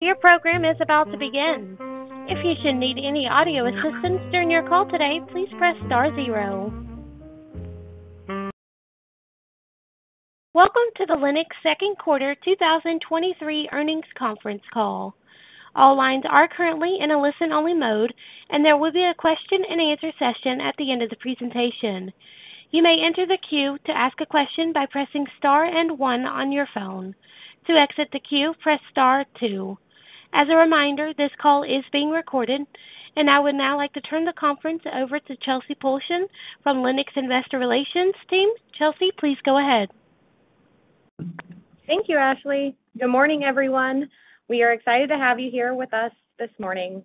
Your program is about to begin. If you should need any audio assistance during your call today, please press star zero. Welcome to the Lennox Second Quarter 2023 Earnings Conference Call. All lines are currently in a listen-only mode. There will be a question-and-answer session at the end of the presentation. You may enter the queue to ask a question by pressing star and one on your phone. To exit the queue, press Star two. As a reminder, this call is being recorded. I would now like to turn the conference over to Chelsey Pulcheon from Lennox Investor Relations team. Chelsey, please go ahead. Thank you, Ashley. Good morning, everyone. We are excited to have you here with us this morning.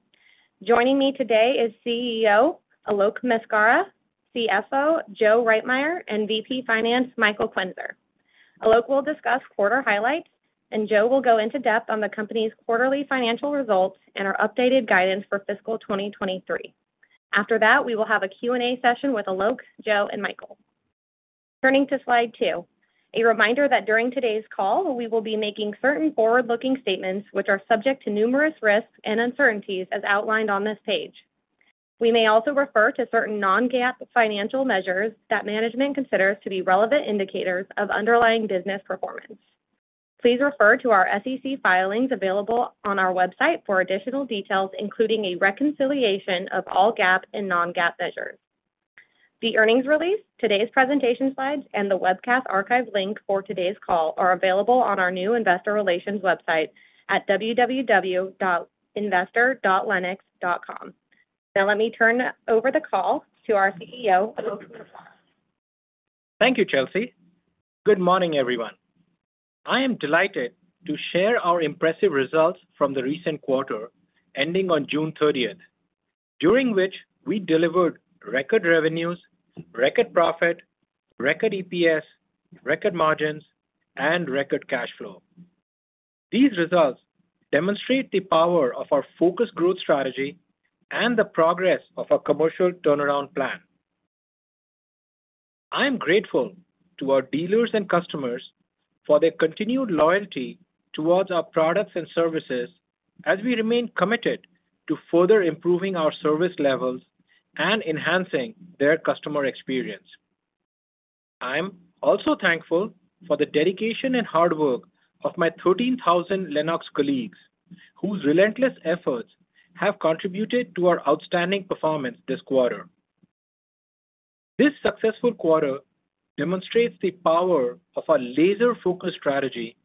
Joining me today is CEO, Alok Maskara, CFO, Joseph Reitmeier, and VP Finance, Michael Quenzer. Alok will discuss quarter highlights, and Joe will go into depth on the company's quarterly financial results and our updated guidance for fiscal 2023. After that, we will have a Q&A session with Alok, Joe, and Michael. Turning to slide two, a reminder that during today's call, we will be making certain forward-looking statements, which are subject to numerous risks and uncertainties, as outlined on this page. We may also refer to certain non-GAAP financial measures that management considers to be relevant indicators of underlying business performance. Please refer to our SEC filings available on our website for additional details, including a reconciliation of all GAAP and non-GAAP measures. The earnings release, today's presentation slides, and the webcast archive link for today's call are available on our new investor relations website at www.investor.lennox.com. Let me turn over the call to our CEO, Alok Maskara. Thank you, Chelsey. Good morning, everyone. I am delighted to share our impressive results from the recent quarter, ending on June 30th, during which we delivered record revenues, record profit, record EPS, record margins, and record cash flow. These results demonstrate the power of our focused growth strategy and the progress of our commercial turnaround plan. I am grateful to our dealers and customers for their continued loyalty towards our products and services as we remain committed to further improving our service levels and enhancing their customer experience. I'm also thankful for the dedication and hard work of my 13,000 Lennox colleagues, whose relentless efforts have contributed to our outstanding performance this quarter. This successful quarter demonstrates the power of our laser-focused strategy,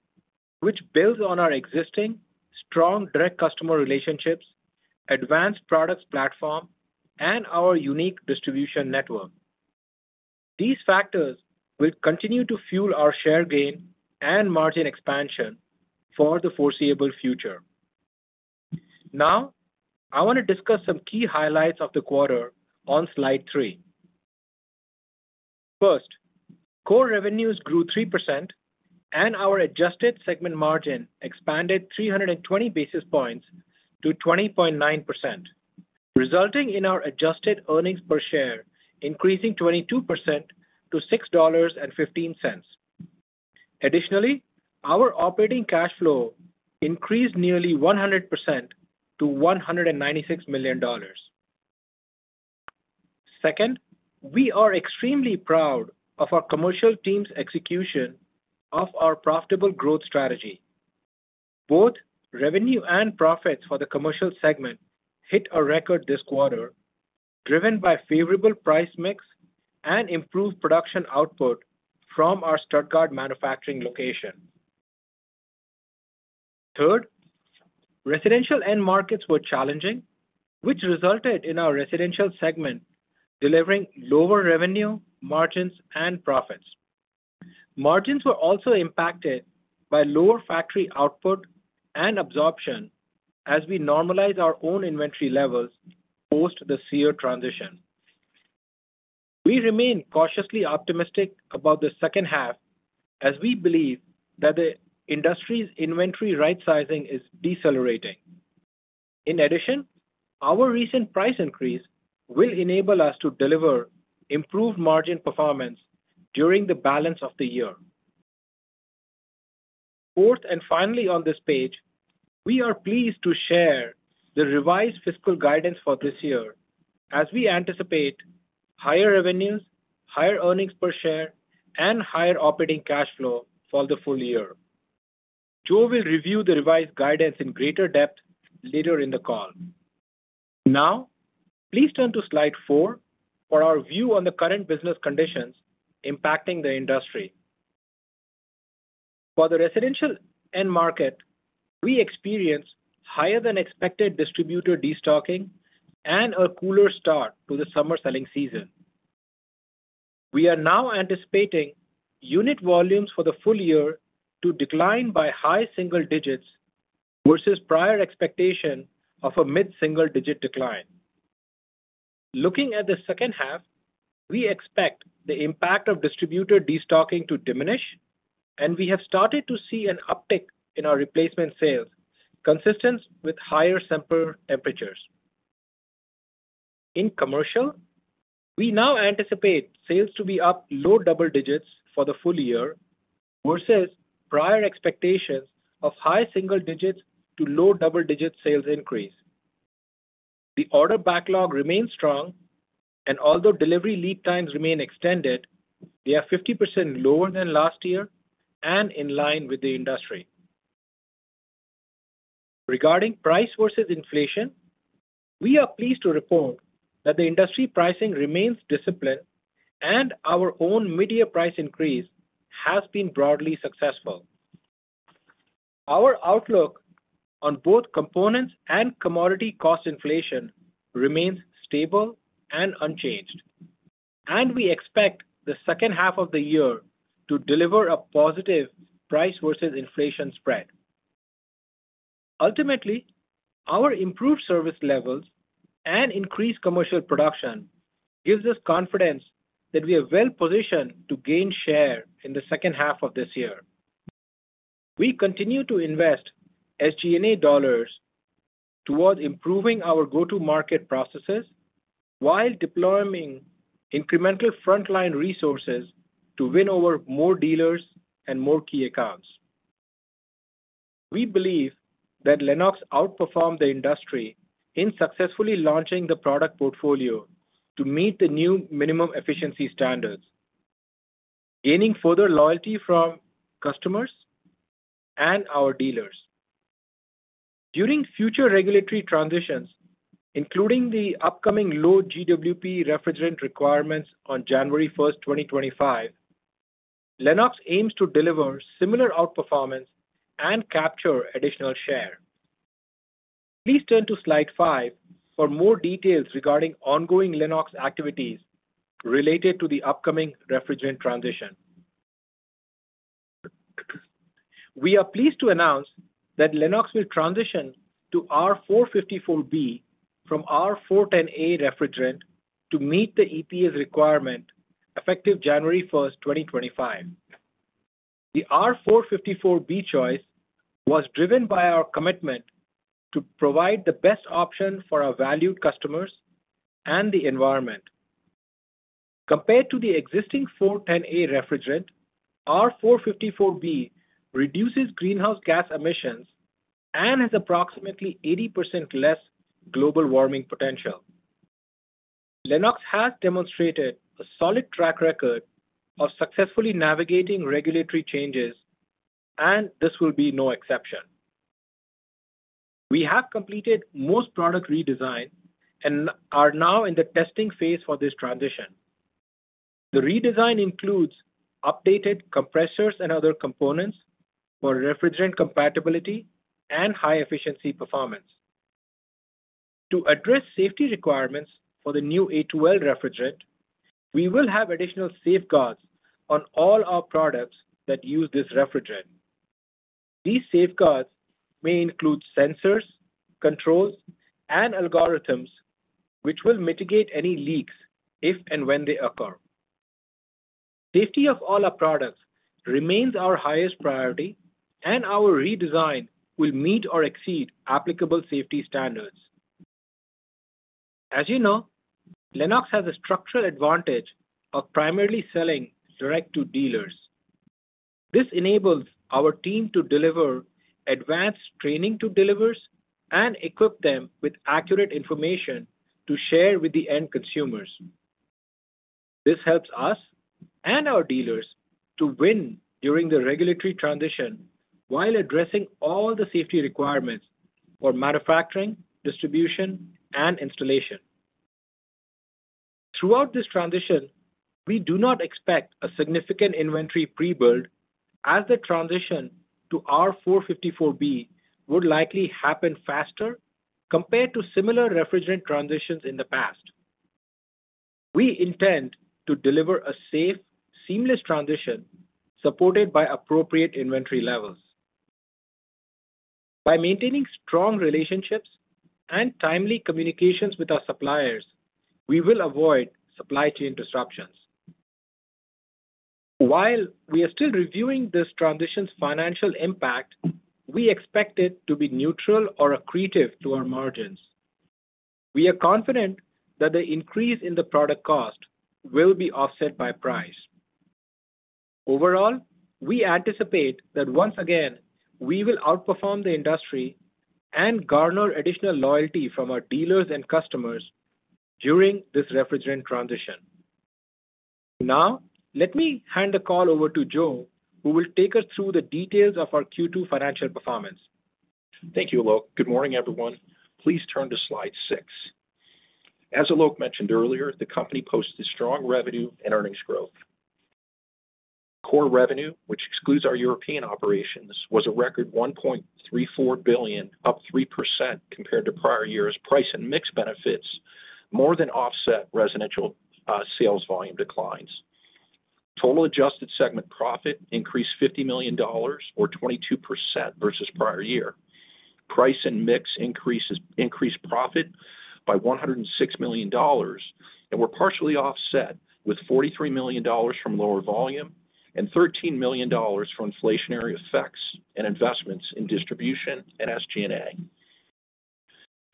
which builds on our existing strong direct customer relationships, advanced products platform, and our unique distribution network. These factors will continue to fuel our share gain and margin expansion for the foreseeable future. Now, I want to discuss some key highlights of the quarter on slide three. First, core revenues grew 3%, and our adjusted segment margin expanded 320 basis points to 20.9%, resulting in our adjusted earnings per share increasing 22% to $6.15. Additionally, our operating cash flow increased nearly 100% to $196 million. Second, we are extremely proud of our commercial team's execution of our profitable growth strategy. Both revenue and profits for the commercial segment hit a record this quarter, driven by favorable price mix and improved production output from our Stuttgart manufacturing location. Third, residential end markets were challenging, which resulted in our residential segment delivering lower revenue, margins, and profits. Margins were also impacted by lower factory output and absorption as we normalize our own inventory levels post the SEER transition. We remain cautiously optimistic about the second half, as we believe that the industry's inventory right-sizing is decelerating. Our recent price increase will enable us to deliver improved margin performance during the balance of the year. Fourth, finally on this page, we are pleased to share the revised fiscal guidance for this year as we anticipate higher revenues, higher earnings per share, and higher operating cash flow for the full year. Joe will review the revised guidance in greater depth later in the call. Please turn to slide four for our view on the current business conditions impacting the industry. For the residential end market, we experienced higher-than-expected distributor destocking and a cooler start to the summer selling season. We are now anticipating unit volumes for the full year to decline by high single digits versus prior expectation of a mid-single-digit decline. Looking at the second half, we expect the impact of distributor destocking to diminish, and we have started to see an uptick in our replacement sales, consistent with higher summer temperatures. In commercial, we now anticipate sales to be up low double digits for the full year, versus prior expectations of high single digits to low double-digit sales increase. The order backlog remains strong, although delivery lead times remain extended, they are 50% lower than last year and in line with the industry. Regarding price versus inflation, we are pleased to report that the industry pricing remains disciplined, our own media price increase has been broadly successful. Our outlook on both components and commodity cost inflation remains stable and unchanged, and we expect the second half of the year to deliver a positive price versus inflation spread. Ultimately, our improved service levels and increased commercial production gives us confidence that we are well positioned to gain share in the second half of this year. We continue to invest SG&A dollars toward improving our go-to-market processes while deploying incremental frontline resources to win over more dealers and more key accounts. We believe that Lennox outperformed the industry in successfully launching the product portfolio to meet the new minimum efficiency standards, gaining further loyalty from customers and our dealers. During future regulatory transitions, including the upcoming low GWP refrigerant requirements on January 1st, 2025, Lennox aims to deliver similar outperformance and capture additional share. Please turn to slide five for more details regarding ongoing Lennox activities related to the upcoming refrigerant transition. We are pleased to announce that Lennox will transition to R-454B from R-410A refrigerant to meet the EPA's requirement, effective January first, 2025. The R-454B choice was driven by our commitment to provide the best option for our valued customers and the environment. Compared to the existing R-410A refrigerant, R-454B reduces greenhouse gas emissions and has approximately 80% less global warming potential. Lennox has demonstrated a solid track record of successfully navigating regulatory changes, and this will be no exception. We have completed most product redesign and are now in the testing phase for this transition. The redesign includes updated compressors and other components for refrigerant compatibility and high-efficiency performance. To address safety requirements for the new A2L refrigerant, we will have additional safeguards on all our products that use this refrigerant. These safeguards may include sensors, controls, and algorithms, which will mitigate any leaks if and when they occur. Safety of all our products remains our highest priority, and our redesign will meet or exceed applicable safety standards. As you know, Lennox has a structural advantage of primarily selling direct to dealers. This enables our team to deliver advanced training to dealers and equip them with accurate information to share with the end consumers. This helps us and our dealers to win during the regulatory transition while addressing all the safety requirements for manufacturing, distribution, and installation. Throughout this transition, we do not expect a significant inventory pre-build as the transition to R-454B would likely happen faster compared to similar refrigerant transitions in the past. We intend to deliver a safe, seamless transition, supported by appropriate inventory levels. By maintaining strong relationships and timely communications with our suppliers, we will avoid supply chain disruptions. While we are still reviewing this transition's financial impact, we expect it to be neutral or accretive to our margins. We are confident that the increase in the product cost will be offset by price. Overall, we anticipate that once again, we will outperform the industry and garner additional loyalty from our dealers and customers during this refrigerant transition. Now, let me hand the call over to Joe, who will take us through the details of our Q2 financial performance. Thank you, Alok. Good morning, everyone. Please turn to slide six. As Alok mentioned earlier, the company posted strong revenue and earnings growth. Core revenue, which excludes our European operations, was a record $1.34 billion, up 3% compared to prior years' price and mix benefits, more than offset residential sales volume declines. Total adjusted segment profit increased $50 million or 22% versus prior year. Price and mix increases increased profit by $106 million and were partially offset with $43 million from lower volume and $13 million for inflationary effects and investments in distribution and SG&A.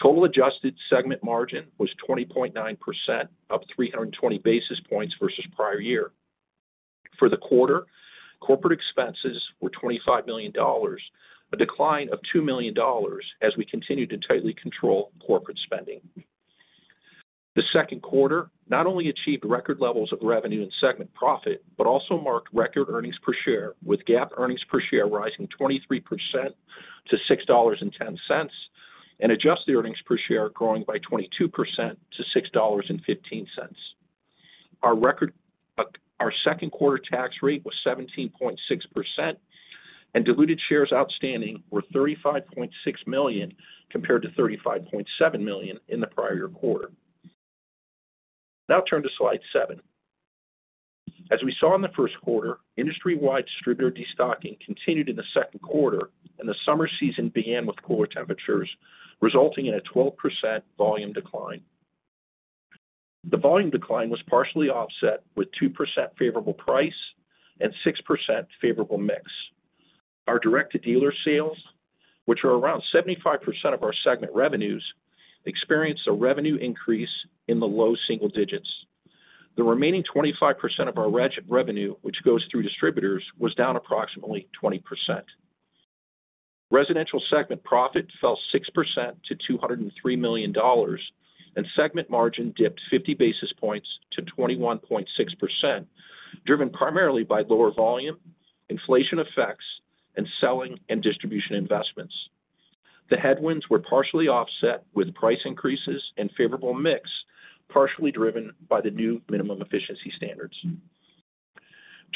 Total adjusted segment margin was 20.9%, up 320 basis points versus prior year. For the quarter, corporate expenses were $25 million, a decline of $2 million as we continued to tightly control corporate spending. The second quarter not only achieved record levels of revenue and segment profit, but also marked record earnings per share, with GAAP earnings per share rising 23% to $6.10, and adjusted earnings per share growing by 22% to $6.15. Our second quarter tax rate was 17.6%, and diluted shares outstanding were 35.6 million, compared to 35.7 million in the prior quarter. Turn to slide seven. As we saw in the first quarter, industry-wide distributor destocking continued in the second quarter, and the summer season began with cooler temperatures, resulting in a 12% volume decline. The volume decline was partially offset with 2% favorable price and 6% favorable mix. Our direct-to-dealer sales, which are around 75% of our segment revenues, experienced a revenue increase in the low single digits. The remaining 25% of our revenue, which goes through distributors, was down approximately 20%. Residential segment profit fell 6% to $203 million, and segment margin dipped 50 basis points to 21.6%, driven primarily by lower volume, inflation effects, and selling and distribution investments. The headwinds were partially offset with Price Increases and favorable mix, partially driven by the new minimum efficiency standards.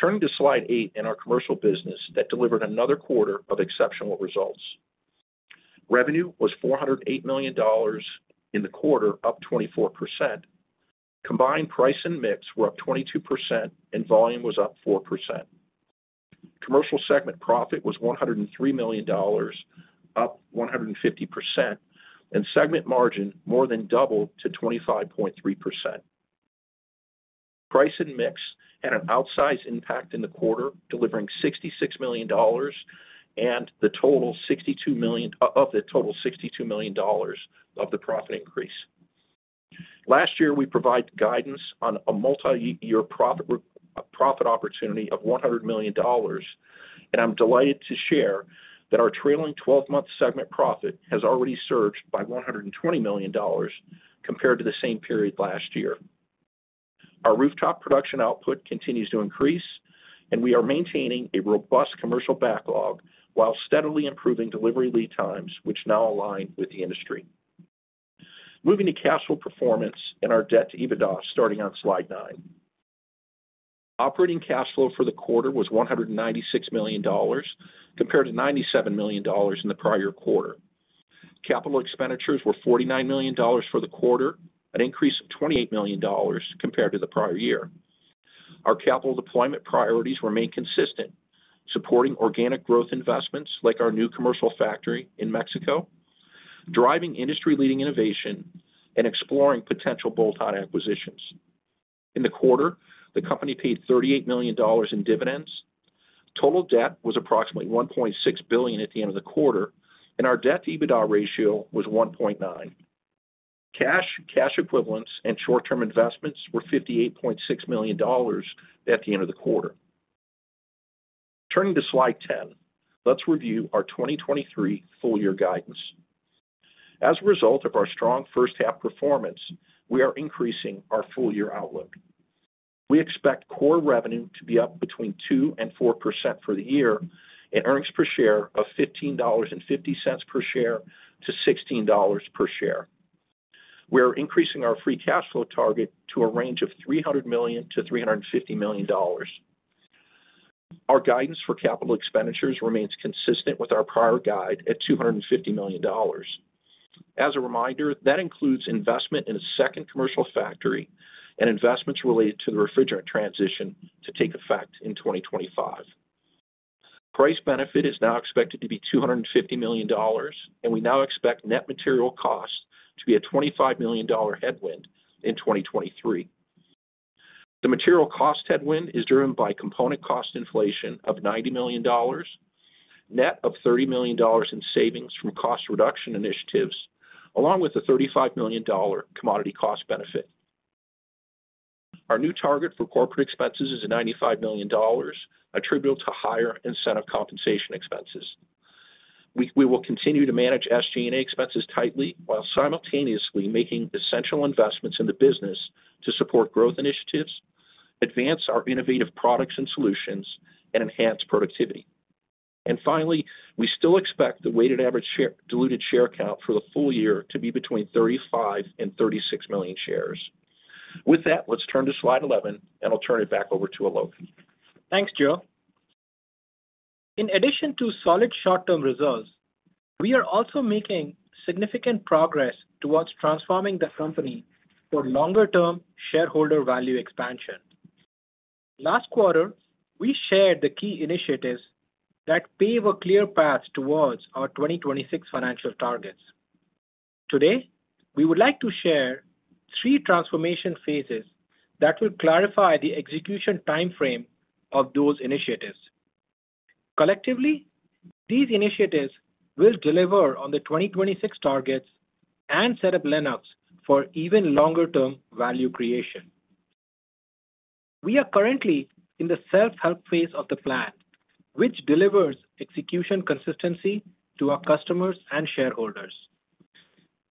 Turning to slide eight in our commercial business, that delivered another quarter of exceptional results. Revenue was $408 million in the quarter, up 24%. Combined price and mix were up 22% and volume was up 4%. Commercial segment profit was $103 million, up 150%, and segment margin more than doubled to 25.3%. Price and mix had an outsized impact in the quarter, delivering $66 million, and of the total $62 million of the profit increase. Last year, we provided guidance on a multiyear a profit opportunity of $100 million, and I'm delighted to share that our trailing twelve-month segment profit has already surged by $120 million compared to the same period last year. Our rooftop production output continues to increase, and we are maintaining a robust commercial backlog while steadily improving delivery lead times, which now align with the industry. Moving to cash flow performance and our debt to EBITDA, starting on slide nine. Operating cash flow for the quarter was $196 million, compared to $97 million in the prior quarter. Capital expenditures were $49 million for the quarter, an increase of $28 million compared to the prior year. Our capital deployment priorities remain consistent, supporting organic growth investments like our new commercial factory in Mexico, driving industry-leading innovation, and exploring potential bolt-on acquisitions. In the quarter, the company paid $38 million in dividends. Total debt was approximately $1.6 billion at the end of the quarter, and our debt-to-EBITDA ratio was 1.9. Cash, cash equivalents, and short-term investments were $58.6 million at the end of the quarter. Turning to slide 10, let's review our 2023 full-year guidance. As a result of our strong first half performance, we are increasing our full-year outlook. We expect core revenue to be up between 2% and 4% for the year and earnings per share of $15.50 per share to $16 per share. We're increasing our free cash flow target to a range of $300 million to $350 million. Our guidance for capital expenditures remains consistent with our prior guide at $250 million. As a reminder, that includes investment in a second commercial factory and investments related to the refrigerant transition to take effect in 2025. Price benefit is now expected to be $250 million. We now expect net material costs to be a $25 million headwind in 2023. The material cost headwind is driven by component cost inflation of $90 million, net of $30 million in savings from cost reduction initiatives, along with a $35 million commodity cost benefit. Our new target for corporate expenses is $95 million, attributable to higher incentive compensation expenses. We will continue to manage SG&A expenses tightly while simultaneously making essential investments in the business to support growth initiatives, advance our innovative products and solutions, and enhance productivity. Finally, we still expect the weighted average diluted share count for the full year to be between 35 and 36 million shares. With that, let's turn to slide 11, and I'll turn it back over to Alok. Thanks, Joe. In addition to solid short-term results, we are also making significant progress towards transforming the company for longer-term shareholder value expansion. Last quarter, we shared the key initiatives that pave a clear path towards our 2026 financial targets. Today, we would like to share three transformation phases that will clarify the execution time frame of those initiatives. Collectively, these initiatives will deliver on the 2026 targets and set up Lennox for even longer-term value creation. We are currently in the self-help phase of the plan, which delivers execution consistency to our customers and shareholders.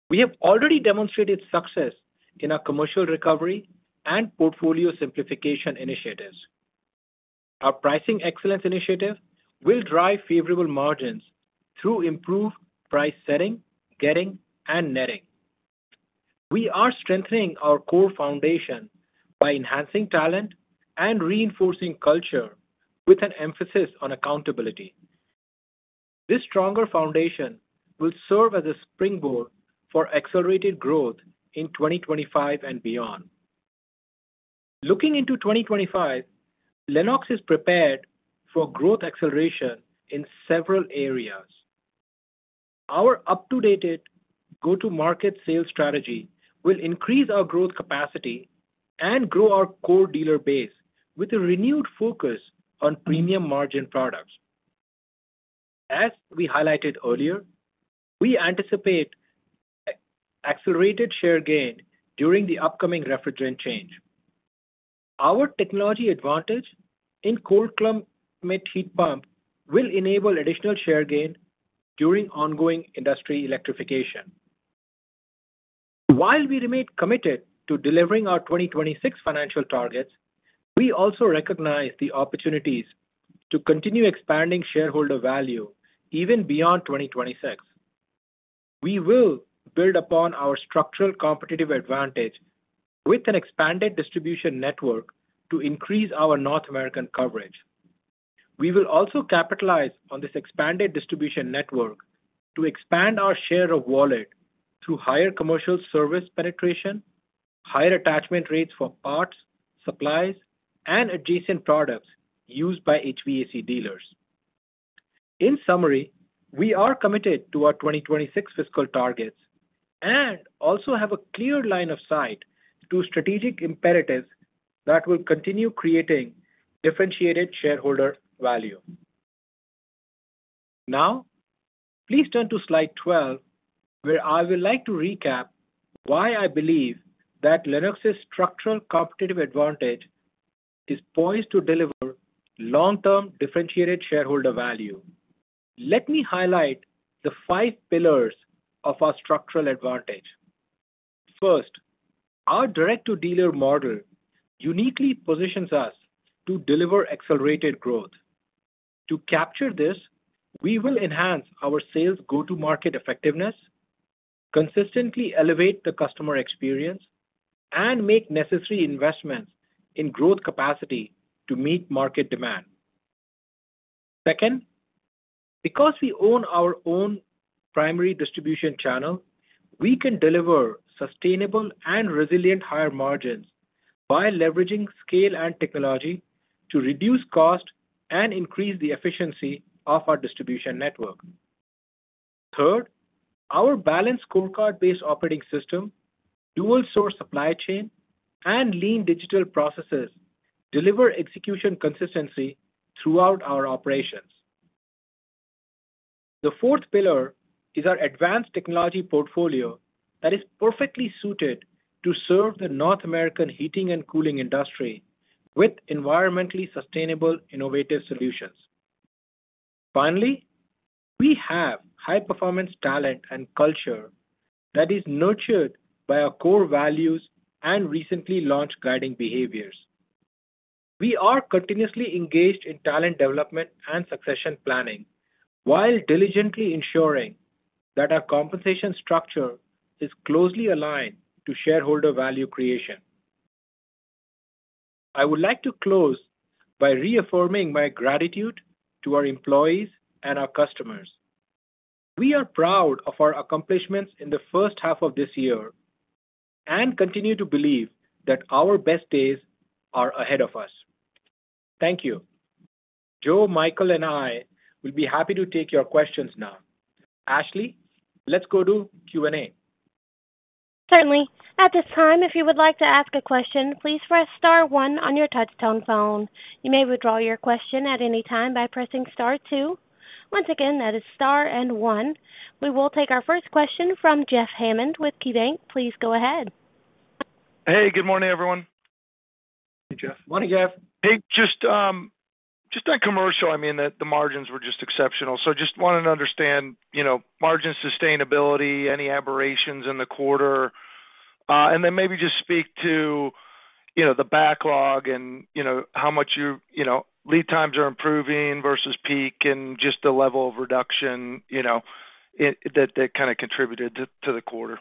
We have already demonstrated success in our commercial recovery and portfolio simplification initiatives. Our pricing excellence initiative will drive favorable margins through improved price setting, getting, and netting. We are strengthening our core foundation by enhancing talent and reinforcing culture with an emphasis on accountability. This stronger foundation will serve as a springboard for accelerated growth in 2025 and beyond. Looking into 2025, Lennox is prepared for growth acceleration in several areas. Our up-to-dated go-to-market sales strategy will increase our growth capacity and grow our core dealer base with a renewed focus on premium margin products. As we highlighted earlier, we anticipate accelerated share gain during the upcoming refrigerant change. Our technology advantage in cold climate heat pump will enable additional share gain during ongoing industry electrification. While we remain committed to delivering our 2026 financial targets, we also recognize the opportunities to continue expanding shareholder value even beyond 2026. We will build upon our structural competitive advantage with an expanded distribution network to increase our North American coverage. We will also capitalize on this expanded distribution network to expand our share of wallet through higher commercial service penetration, higher attachment rates for parts, supplies, and adjacent products used by HVAC dealers. In summary, we are committed to our 2026 fiscal targets and also have a clear line of sight to strategic imperatives that will continue creating differentiated shareholder value. Now, please turn to slide 12, where I would like to recap why I believe that Lennox's structural competitive advantage is poised to deliver long-term differentiated shareholder value. Let me highlight the five pillars of our structural advantage. First, our direct-to-dealer model uniquely positions us to deliver accelerated growth. To capture this, we will enhance our sales go-to-market effectiveness, consistently elevate the customer experience, and make necessary investments in growth capacity to meet market demand. Second, because we own our own primary distribution channel, we can deliver sustainable and resilient higher margins by leveraging scale and technology to reduce cost and increase the efficiency of our distribution network. Third, our balanced scorecard-based operating system, dual source supply chain, and lean digital processes deliver execution consistency throughout our operations. The fourth pillar is our advanced technology portfolio that is perfectly suited to serve the North American heating and cooling industry with environmentally sustainable, innovative solutions. Finally, we have high-performance talent and culture that is nurtured by our core values and recently launched guiding behaviors. We are continuously engaged in talent development and succession planning, while diligently ensuring that our compensation structure is closely aligned to shareholder value creation. I would like to close by reaffirming my gratitude to our employees and our customers. We are proud of our accomplishments in the first half of this year and continue to believe that our best days are ahead of us. Thank you. Joe, Michael, and I will be happy to take your questions now. Ashley, let's go to Q&A. Certainly. At this time, if you would like to ask a question, please press star one on your touchtone phone. You may withdraw your question at any time by pressing star two. Once again, that is star and one. We will take our first question from Jeffrey Hammond with KeyBanc. Please go ahead. Hey, good morning, everyone. Hey, Jeff. Morning, Jeff. Just, just on commercial, I mean, the margins were just exceptional, so just wanted to understand, you know, margin sustainability, any aberrations in the quarter. Maybe just speak to, you know, the backlog and, you know, how much. You know, lead times are improving versus peak and just the level of reduction, you know, it, that, that kind of contributed to the quarter.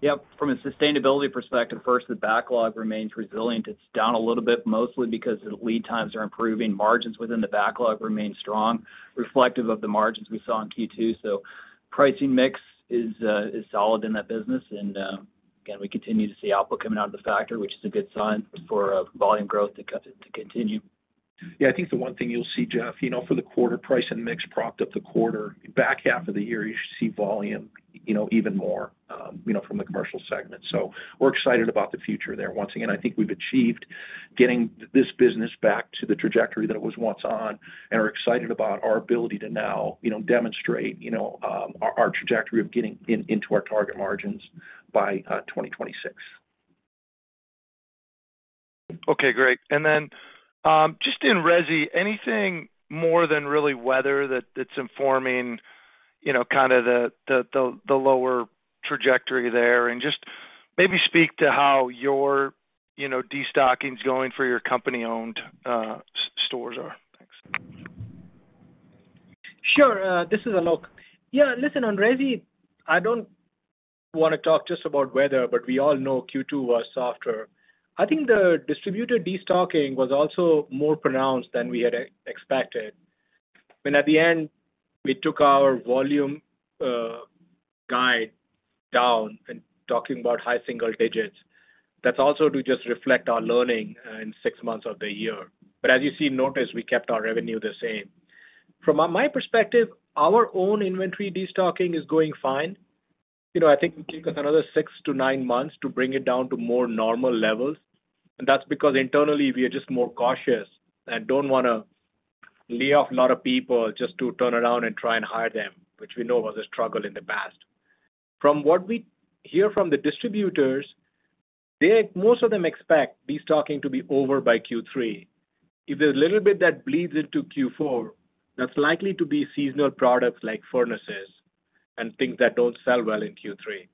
Yep. From a sustainability perspective, first, the backlog remains resilient. It's down a little bit, mostly because the lead times are improving. Margins within the backlog remain strong, reflective of the margins we saw in Q2. Pricing mix is solid in that business, and again, we continue to see output coming out of the factory, which is a good sign for volume growth to continue. Yeah, I think the one thing you'll see, Jeff, you know, for the quarter price and mix propped up the quarter. Back half of the year, you should see volume, you know, even more, you know, from the commercial segment. We're excited about the future there. Once again, I think we've achieved getting this business back to the trajectory that it was once on, and we're excited about our ability to now, you know, demonstrate, you know, our, our trajectory of getting in, into our target margins by, 2026. Okay, great. Then just in resi, anything more than really weather that's informing, you know, kind of the lower trajectory there? Just maybe speak to how your, you know, destocking is going for your company-owned stores are. Thanks. Sure. This is Alok. Yeah, listen, on resi, I don't wanna talk just about weather, but we all know Q2 was softer. I think the distributor destocking was also more pronounced than we had expected. I mean, at the end, we took our volume guide down and talking about high single digits. That's also to just reflect our learning in 6 months of the year. As you see, notice, we kept our revenue the same. From my perspective, our own inventory destocking is going fine. You know, I think it will take us another 6-9 months to bring it down to more normal levels, that's because internally, we are just more cautious and don't wanna lay off a lot of people just to turn around and try and hire them, which we know was a struggle in the past. From what we hear from the distributors, Most of them expect destocking to be over by Q3. If there's a little bit that bleeds into Q4, that's likely to be seasonal products like furnaces and things that don't sell well in Q3.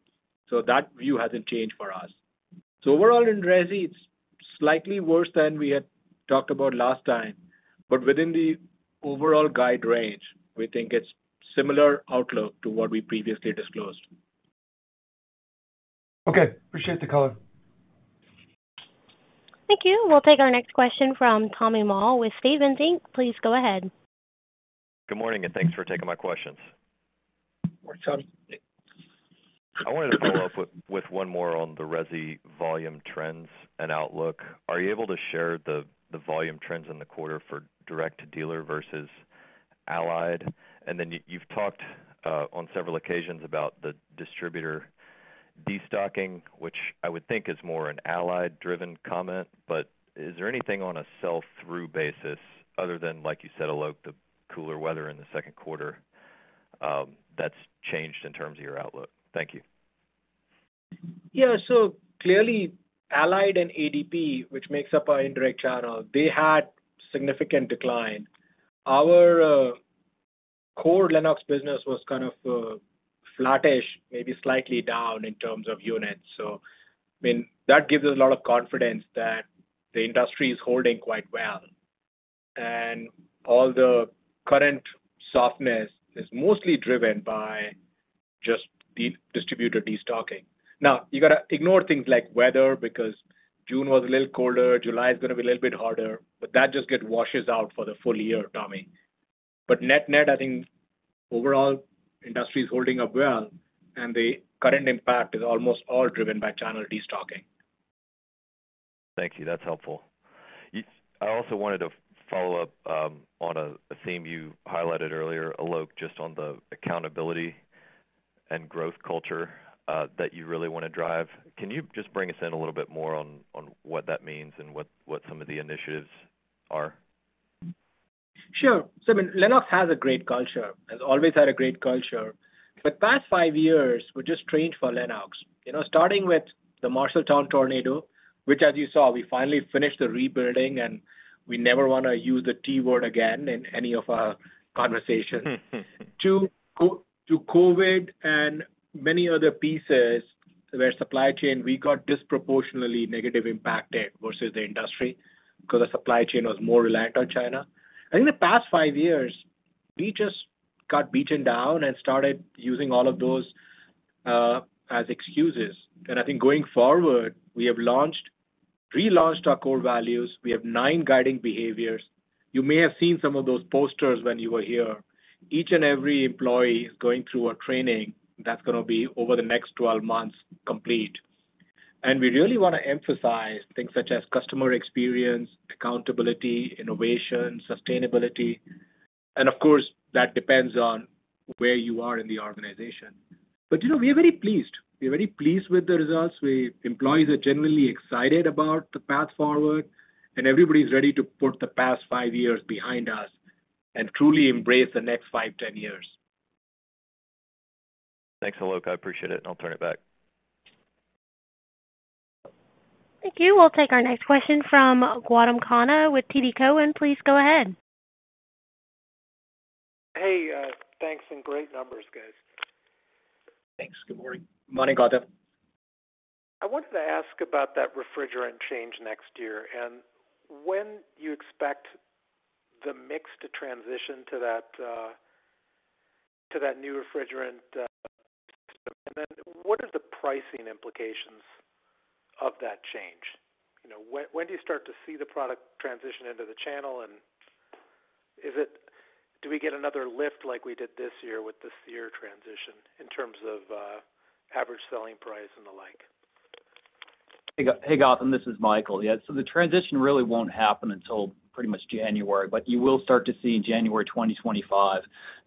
That view hasn't changed for us. Overall, in resi, it's slightly worse than we had talked about last time, but within the overall guide range, we think it's similar outlook to what we previously disclosed. Okay. Appreciate the call. Thank you. We'll take our next question from Thomas Moll with Stephens Inc. Please go ahead. Good morning, and thanks for taking my questions. Morning, Tommy. I wanted to follow up with, with one more on the resi volume trends and outlook. Are you able to share the, the volume trends in the quarter for direct to dealer versus Allied? You've talked on several occasions about the distributor destocking, which I would think is more an Allied-driven comment, but is there anything on a sell-through basis other than, like you said, Alok, the cooler weather in the second quarter, that's changed in terms of your outlook? Thank you. Yeah. Clearly, Allied and ADP, which makes up our indirect channel, they had significant decline. Our core Lennox business was kind of flattish, maybe slightly down in terms of units. I mean, that gives us a lot of confidence that the industry is holding quite well. All the current softness is mostly driven by just de- distributor destocking. Now, you gotta ignore things like weather, because June was a little colder, July is gonna be a little bit harder, but that just get washes out for the full year, Tommy. Net-net, I think overall, industry is holding up well, and the current impact is almost all driven by channel destocking. Thank you. That's helpful. I also wanted to follow up on a theme you highlighted earlier, Alok, just on the accountability and growth culture that you really wanna drive. Can you just bring us in a little bit more on what that means and what some of the initiatives are? Sure. I mean, Lennox has a great culture, has always had a great culture. The past 5 years were just strange for Lennox. You know, starting with the Marshalltown tornado, which, as you saw, we finally finished the rebuilding, and we never wanna use the T word again in any of our conversations. To COVID and many other pieces, where supply chain, we got disproportionately negative impacted versus the industry because the supply chain was more reliant on China. I think the past five years, we just got beaten down and started using all of those as excuses. I think going forward, we have relaunched our core values. We have nine guiding behaviors. You may have seen some of those posters when you were here. Each and every employee is going through a training that's gonna be over the next 12 months, complete. We really wanna emphasize things such as customer experience, accountability, innovation, sustainability, and of course, that depends on where you are in the organization. You know, we are very pleased with the results. Employees are generally excited about the path forward, everybody's ready to put the past five years behind us and truly embrace the next five, 10 years. Thanks, Alok. I appreciate it, and I'll turn it back. Thank you. We'll take our next question from Gautam Khanna with TD Cowen. Please go ahead. Hey, thanks, great numbers, guys. Thanks. Good morning. Morning, Gautam. I wanted to ask about that refrigerant change next year, and when you expect the mix to transition to that to that new refrigerant system. What are the pricing implications of that change? You know, when, when do you start to see the product transition into the channel, and do we get another lift like we did this year with the SEER transition in terms of average selling price and the like? Hey, Hey, Gautam, this is Michael. Yeah, so the transition really won't happen until pretty much January, but you will start to see in January 2025,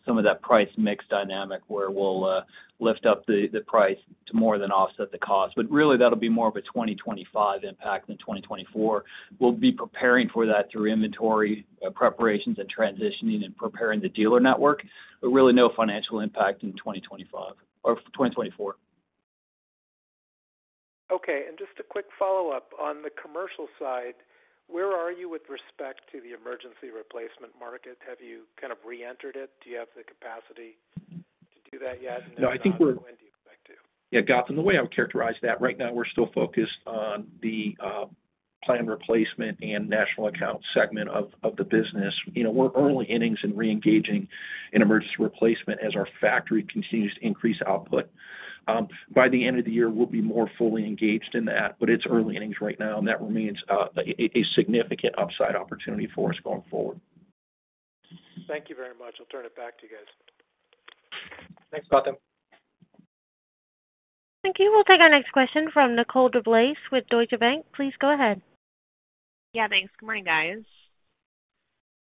some of that price mix dynamic where we'll lift up the price to more than offset the cost. But really, that'll be more of a 2025 impact than 2024. We'll be preparing for that through inventory preparations and transitioning and preparing the dealer network, but really no financial impact in 2025 or 2024. Okay. Just a quick follow-up. On the commercial side, where are you with respect to the emergency replacement market? Have you kind of reentered it? Do you have the capacity to do that yet? No, I think. When do you expect to? Yeah, Gautam, the way I would characterize that, right now, we're still focused on the plan replacement and national account segment of the business. You know, we're early innings in reengaging in emergency replacement as our factory continues to increase output. By the end of the year, we'll be more fully engaged in that, but it's early innings right now, and that remains a significant upside opportunity for us going forward. Thank you very much. I'll turn it back to you guys. Thanks, Gautam. Thank you. We'll take our next question from Nicole DeBlase with Deutsche Bank. Please go ahead. Yeah, thanks. Good morning, guys.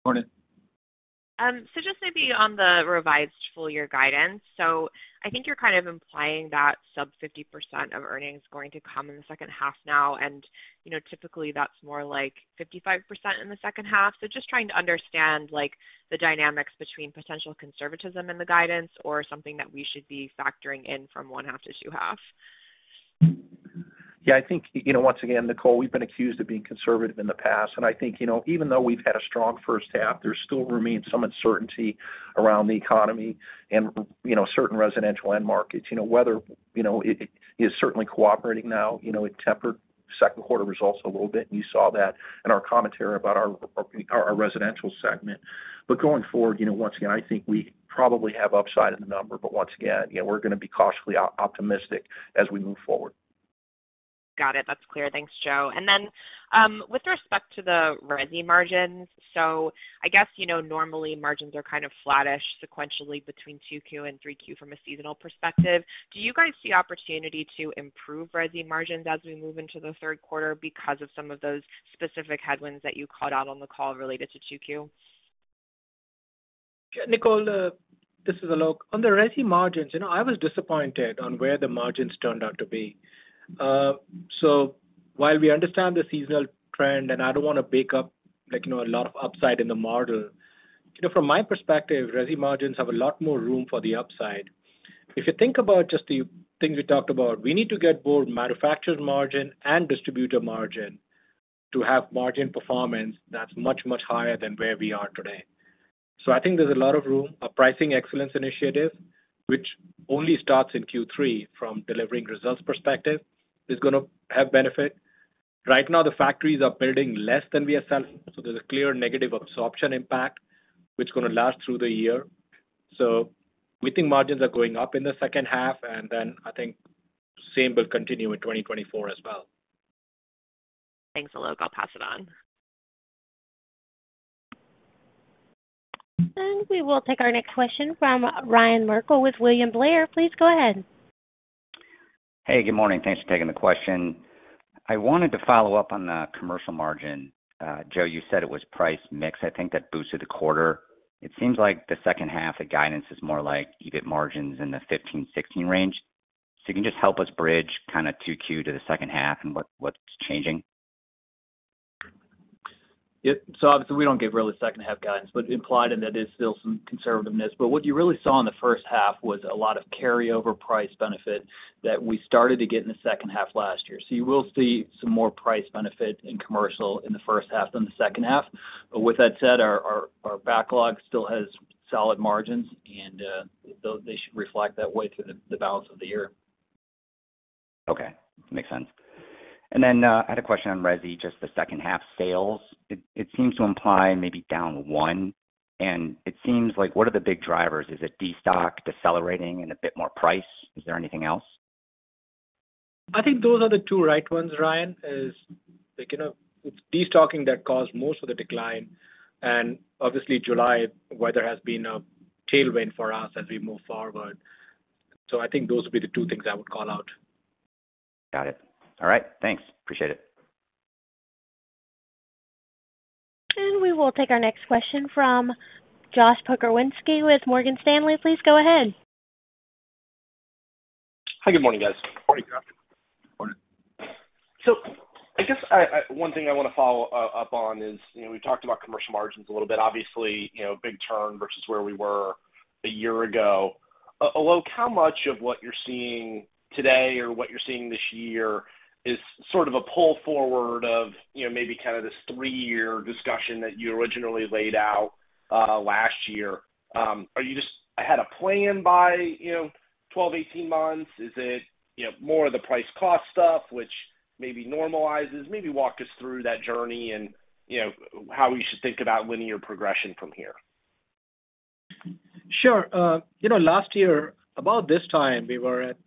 Morning. just maybe on the revised full year guidance. I think you're kind of implying that sub 50% of earnings is going to come in the second half now, and, you know, typically, that's more like 55% in the second half. just trying to understand, like, the dynamics between potential conservatism in the guidance or something that we should be factoring in from one half to two half? Yeah, I think, you know, once again, Nicole, we've been accused of being conservative in the past, and I think, you know, even though we've had a strong first half, there still remains some uncertainty around the economy and, you know, certain residential end markets. You know, whether, you know, it, it is certainly cooperating now, you know, it tempered second quarter results a little bit, and you saw that in our commentary about our, our, our residential segment. Going forward, you know, once again, I think we probably have upside in the number, but once again, you know, we're going to be cautiously optimistic as we move forward. Got it. That's clear. Thanks, Joe. With respect to the resi margins, so I guess, you know, normally margins are kind of flattish sequentially between two Q and three Q from a seasonal perspective. Do you guys see opportunity to improve resi margins as we move into the third quarter because of some of those specific headwinds that you called out on the call related to two Q? Nicole, this is Alok. On the resi margins, you know, I was disappointed on where the margins turned out to be. While we understand the seasonal trend, and I don't want to bake up, like, you know, a lot of upside in the model, you know, from my perspective, resi margins have a lot more room for the upside. If you think about just the things we talked about, we need to get both manufactured margin and distributor margin to have margin performance that's much, much higher than where we are today. I think there's a lot of room. Our pricing excellence initiative, which only starts in Q3 from delivering results perspective, is going to have benefit. Right now, the factories are building less than we are selling, so there's a clear negative absorption impact, which is going to last through the year. We think margins are going up in the second half, and then I think same will continue in 2024 as well. Thanks, Alok. I'll pass it on. We will take our next question from Ryan Merkel with William Blair. Please go ahead. Hey, good morning. Thanks for taking the question. I wanted to follow up on the commercial margin. Joe, you said it was price mix, I think, that boosted the quarter. It seems like the second half, the guidance is more like EBIT margins in the 15, 16 range. Can you just help us bridge kind of 2Q to the second half and what's changing? Yep. Obviously, we don't give really second-half guidance. Implied in that is still some conservativeness. What you really saw in the first half was a lot of carryover price benefit that we started to get in the second half last year. You will see some more price benefit in commercial in the first half than the second half. With that said, our backlog still has solid margins, and they should reflect that way through the balance of the year. Okay. Makes sense. Then, I had a question on resi, just the second half sales. It seems to imply maybe down 1, and it seems like what are the big drivers? Is it destock, decelerating and a bit more price? Is there anything else? I think those are the two right ones, Ryan, is, like, you know, it's destocking that caused most of the decline, and obviously July weather has been a tailwind for us as we move forward. I think those would be the two things I would call out. Got it. All right. Thanks. Appreciate it. We will take our next question from Joshua Pokrzywinski with Morgan Stanley. Please go ahead. Hi, good morning, guys. Good morning, Josh. Morning. I guess one thing I want to follow up on is, you know, we talked about commercial margins a little bit. Obviously, you know, big turn versus where we were a year ago. Alok, how much of what you're seeing today or what you're seeing this year is sort of a pull forward of, you know, maybe kind of this three-year discussion that you originally laid out last year? Are you just ahead of plan by, you know, 12, 18 months? Is it, you know, more of the price cost stuff, which maybe normalizes? Maybe walk us through that journey and, you know, how we should think about linear progression from here. Sure. You know, last year, about this time, we were at,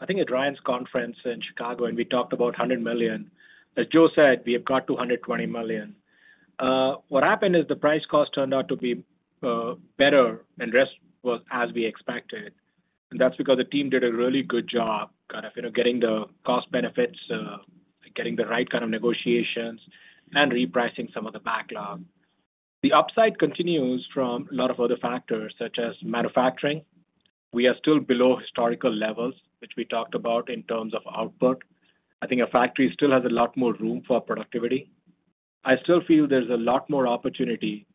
I think, at Ryan's conference in Chicago, we talked about $100 million. As Joe said, we have got $220 million. What happened is the price cost turned out to be well, as we expected. That's because the team did a really good job, kind of, you know, getting the cost benefits, getting the right kind of negotiations and repricing some of the backlog. The upside continues from a lot of other factors, such as manufacturing. We are still below historical levels, which we talked about in terms of output. I think our factory still has a lot more room for productivity. I still feel there's a lot more opportunity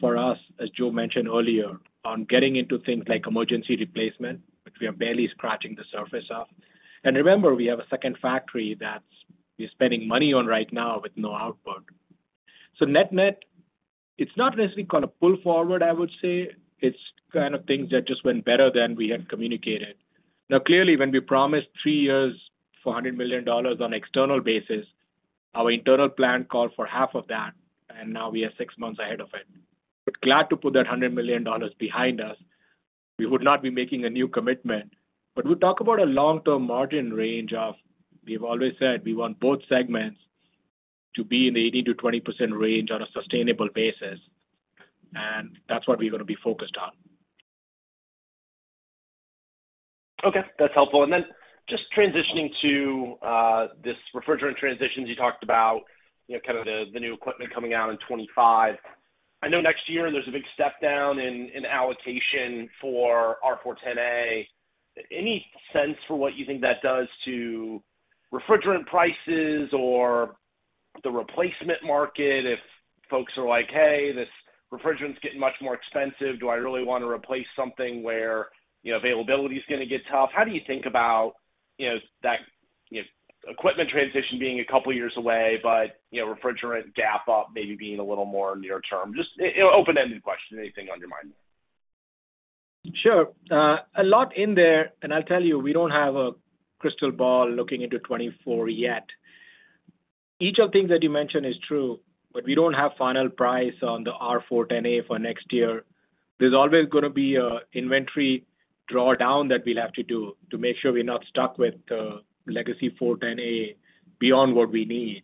for us, as Joe mentioned earlier, on getting into things like emergency replacement, which we are barely scratching the surface of. Remember, we have a second factory that we're spending money on right now with no output. Net-net, it's not necessarily kind of pull forward, I would say. It's kind of things that just went better than we had communicated. Now, clearly, when we promised three years for $100 million on external basis, our internal plan called for half of that, and now we are six months ahead of it. Glad to put that $100 million behind us. We would not be making a new commitment. We talk about a long-term margin range of, we've always said we want both segments to be in the 80%-20% range on a sustainable basis, and that's what we're gonna be focused on. Okay, that's helpful. Just transitioning to, this refrigerant transitions, you talked about, you know, kind of the, the new equipment coming out in 25. I know next year there's a big step down in, in allocation for R-410A. Any sense for what you think that does to refrigerant prices or the replacement market? If folks are like, "Hey, this refrigerant is getting much more expensive, do I really wanna replace something where, you know, availability is gonna get tough?" How do you think about, you know, that, you know, equipment transition being a couple of years away, but, you Alok, refrigerant gap up maybe being a little more near term? Just, you know, open-ended question, anything on your mind. Sure. A lot in there, I'll tell you, we don't have a crystal ball looking into 2024 yet. Each of the things that you mentioned is true. We don't have final price on the R-410A for next year. There's always gonna be an inventory drawdown that we'll have to do to make sure we're not stuck with legacy R-410A beyond what we need.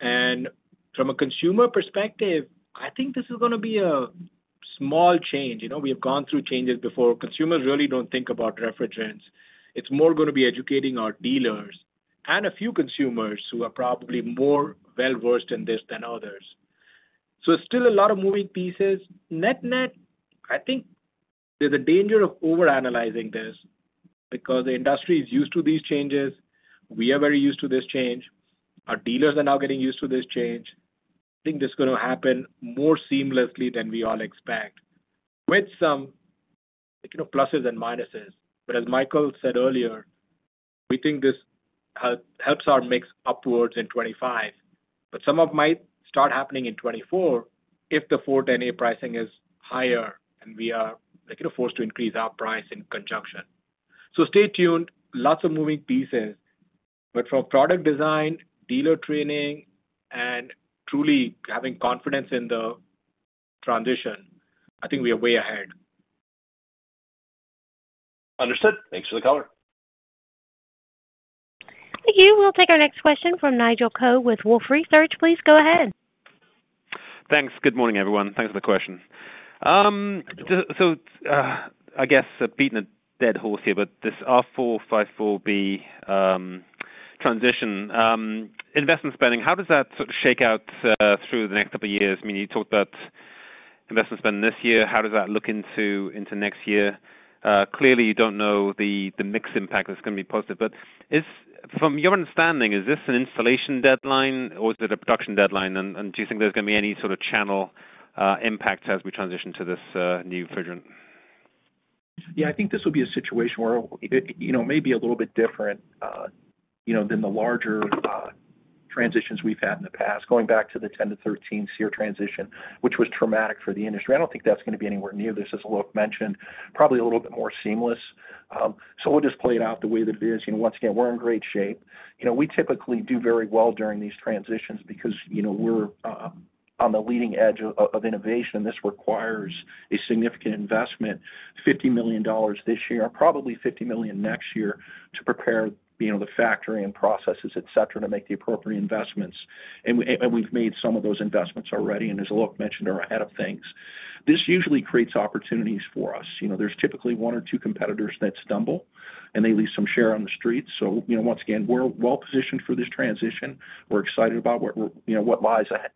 From a consumer perspective, I think this is gonna be a small change. You know, we have gone through changes before. Consumers really don't think about refrigerants. It's more gonna be educating our dealers and a few consumers who are probably more well-versed in this than others. Still a lot of moving pieces. Net-net, I think there's a danger of overanalyzing this because the industry is used to these changes. We are very used to this change. Our dealers are now getting used to this change. I think this is gonna happen more seamlessly than we all expect, with some, you know, pluses and minuses. As Michael said earlier, we think this helps our mix upwards in 25, but some of might start happening in 24 if the R-410A pricing is higher and we are, like, forced to increase our price in conjunction. Stay tuned, lots of moving pieces. For product design, dealer training, and truly having confidence in the transition, I think we are way ahead. Understood. Thanks for the color. Thank you. We'll take our next question from Nigel Coe with Wolfe Research. Please go ahead. Thanks. Good morning, everyone. Thanks for the question. I guess beating a dead horse here, but this R-454B transition investment spending, how does that sort of shake out through the next couple of years? I mean, you talked about investment spend this year, how does that look into next year? Clearly, you don't know the mix impact that's gonna be posted. From your understanding, is this an installation deadline or is it a production deadline? Do you think there's gonna be any sort of channel impact as we transition to this new refrigerant? Yeah, I think this will be a situation where, you know, maybe a little bit different, you know, than the larger, transitions we've had in the past, going back to the 10-13 SEER transition, which was traumatic for the industry. I don't think that's gonna be anywhere near this, as Alok mentioned, probably a little bit more seamless. We'll just play it out the way that it is. You know, once again, we're in great shape. You know, we typically do very well during these transitions because, you know, we're on the leading edge of innovation. This requires a significant investment, $50 million this year, probably $50 million next year, to prepare, you know, the factory and processes, et cetera, to make the appropriate investments. We've made some of those investments already, and as Alok mentioned, are ahead of things. This usually creates opportunities for us. You know, there's typically one or two competitors that stumble, and they leave some share on the street. You know, once again, we're well positioned for this transition. We're excited about what we're, you know, what lies ahead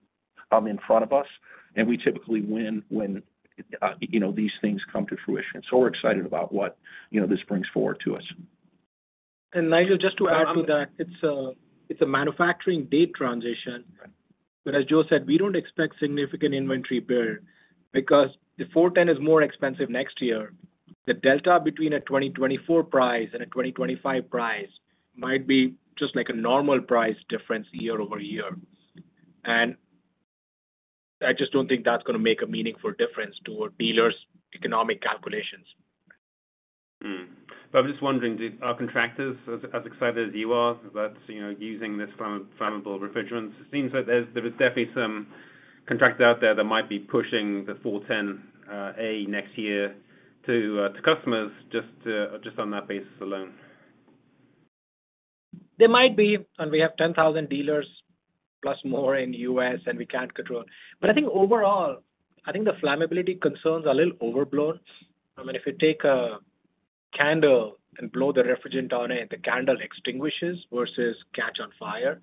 in front of us, and we typically win when, you know, these things come to fruition. We're excited about what, you know, this brings forward to us. Nigel, just to add to that, it's a manufacturing date transition. As Joe said, we don't expect significant inventory build, because the R-410A is more expensive next year. The delta between a 2024 price and a 2025 price might be just like a normal price difference year-over-year. I just don't think that's gonna make a meaningful difference to our dealers' economic calculations. I'm just wondering, do our contractors as excited as you are about, you know, using this flammable refrigerants? It seems like there is definitely some contractors out there that might be pushing the R-410A next year to customers, just to, just on that basis alone. There might be, and we have 10,000 dealers plus more in U.S., and we can't control. I think overall, I think the flammability concerns are a little overblown. I mean, if you take a candle and blow the refrigerant on it, the candle extinguishes versus catch on fire.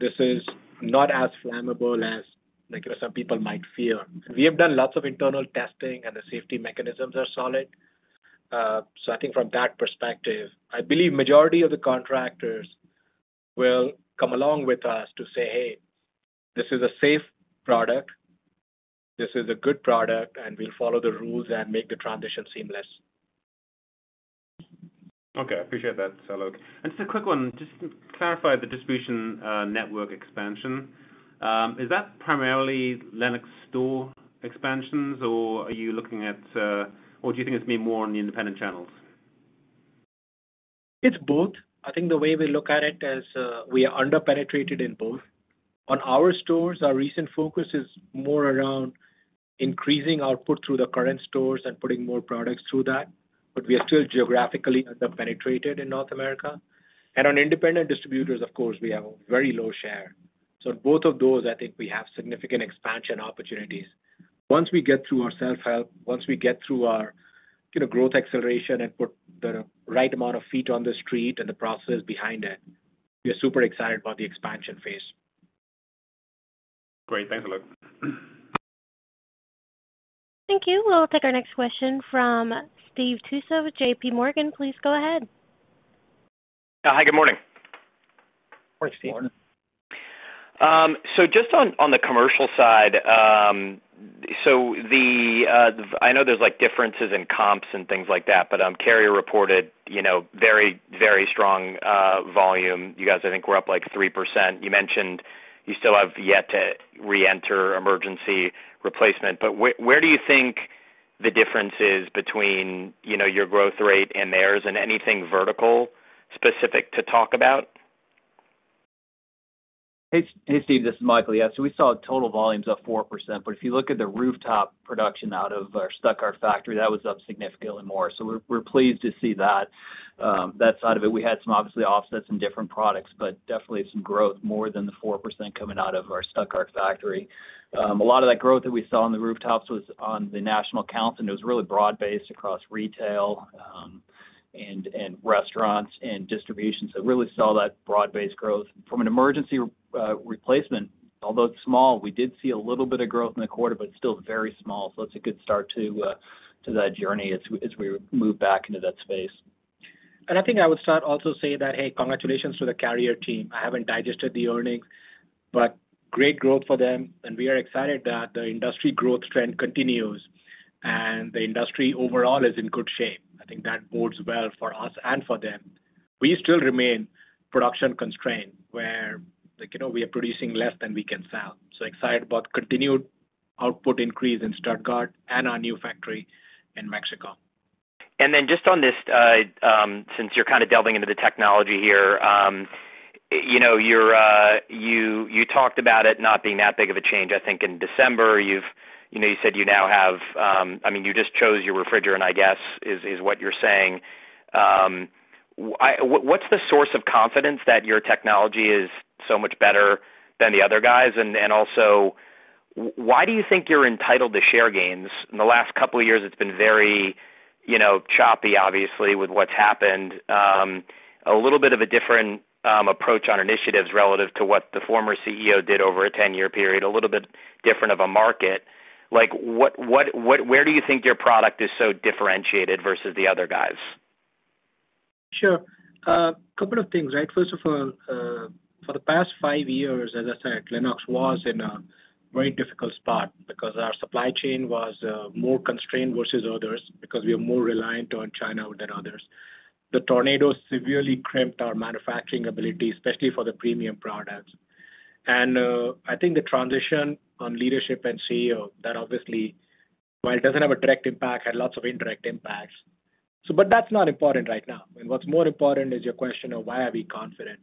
This is not as flammable as, like, some people might fear. We have done lots of internal testing, and the safety mechanisms are solid. I think from that perspective, I believe majority of the contractors will come along with us to say, "Hey, this is a safe product. This is a good product, and we'll follow the rules and make the transition seamless. Okay, appreciate that, Alok. Just a quick one, just to clarify the distribution network expansion, is that primarily Lennox store expansions, or are you looking at, or do you think it's maybe more on the independent channels? It's both. I think the way we look at it is, we are under-penetrated in both. On our stores, our recent focus is more around increasing output through the current stores and putting more products through that, but we are still geographically under-penetrated in North America. On independent distributors, of course, we have a very low share. Both of those, I think we have significant expansion opportunities. Once we get through our self-help, once we get through our, you know, growth acceleration and put the right amount of feet on the street and the processes behind it, we are super excited about the expansion phase. Great. Thanks a lot. Thank you. We'll take our next question from Stephen Tusa with JPMorgan. Please go ahead. Hi, good morning. Morning, Steve. Morning. Just on, on the commercial side, I know there's, like, differences in comps and things like that, but Carrier reported, you know, very, very strong, volume. You guys, I think, were up, like, 3%. You mentioned you still have yet to reenter emergency replacement, but where do you think the difference is between, you know, your growth rate and theirs, and anything vertical specific to talk about? Hey, Steve. This is Michael. Yeah, we saw total volumes up 4%, but if you look at the rooftop production out of our Stuttgart factory, that was up significantly more. We're, we're pleased to see that, that side of it. We had some, obviously, offsets in different products, but definitely some growth more than the 4% coming out of our Stuttgart factory. A lot of that growth that we saw on the rooftops was on the national accounts, and it was really broad-based across retail, and, and restaurants and distribution. Really saw that broad-based growth. From an emergency replacement, although it's small, we did see a little bit of growth in the quarter, but still very small. It's a good start to that journey as we, as we move back into that space. I think I would start also say that, hey, congratulations to the Carrier team. I haven't digested the earnings, but great growth for them, and we are excited that the industry growth trend continues, and the industry overall is in good shape. I think that bodes well for us and for them. We still remain production constrained, where, like, you know, we are producing less than we can sell. Excited about continued output increase in Stuttgart and our new factory in Mexico. Just on this, since you're kind of delving into the technology here, you know, you talked about it not being that big of a change. I think in December, you know, you said you now have, I mean, you just chose your refrigerant, I guess, is what you're saying. What's the source of confidence that your technology is so much better than the other guys? Also, why do you think you're entitled to share gains? In the last couple of years, it's been very, you know, choppy, obviously, with what's happened. A little bit of a different approach on initiatives relative to what the former CEO did over a 10-year period, a little bit different of a market. Like, what where do you think your product is so differentiated versus the other guys? Sure. couple of things, right? First of all, for the past five years, as I said, Lennox was in a very difficult spot because our supply chain was more constrained versus others, because we are more reliant on China than others. The tornado severely crimped our manufacturing ability, especially for the premium products. I think the transition on leadership and CEO, that obviously, while it doesn't have a direct impact, had lots of indirect impacts. but that's not important right now. I mean, what's more important is your question of why are we confident?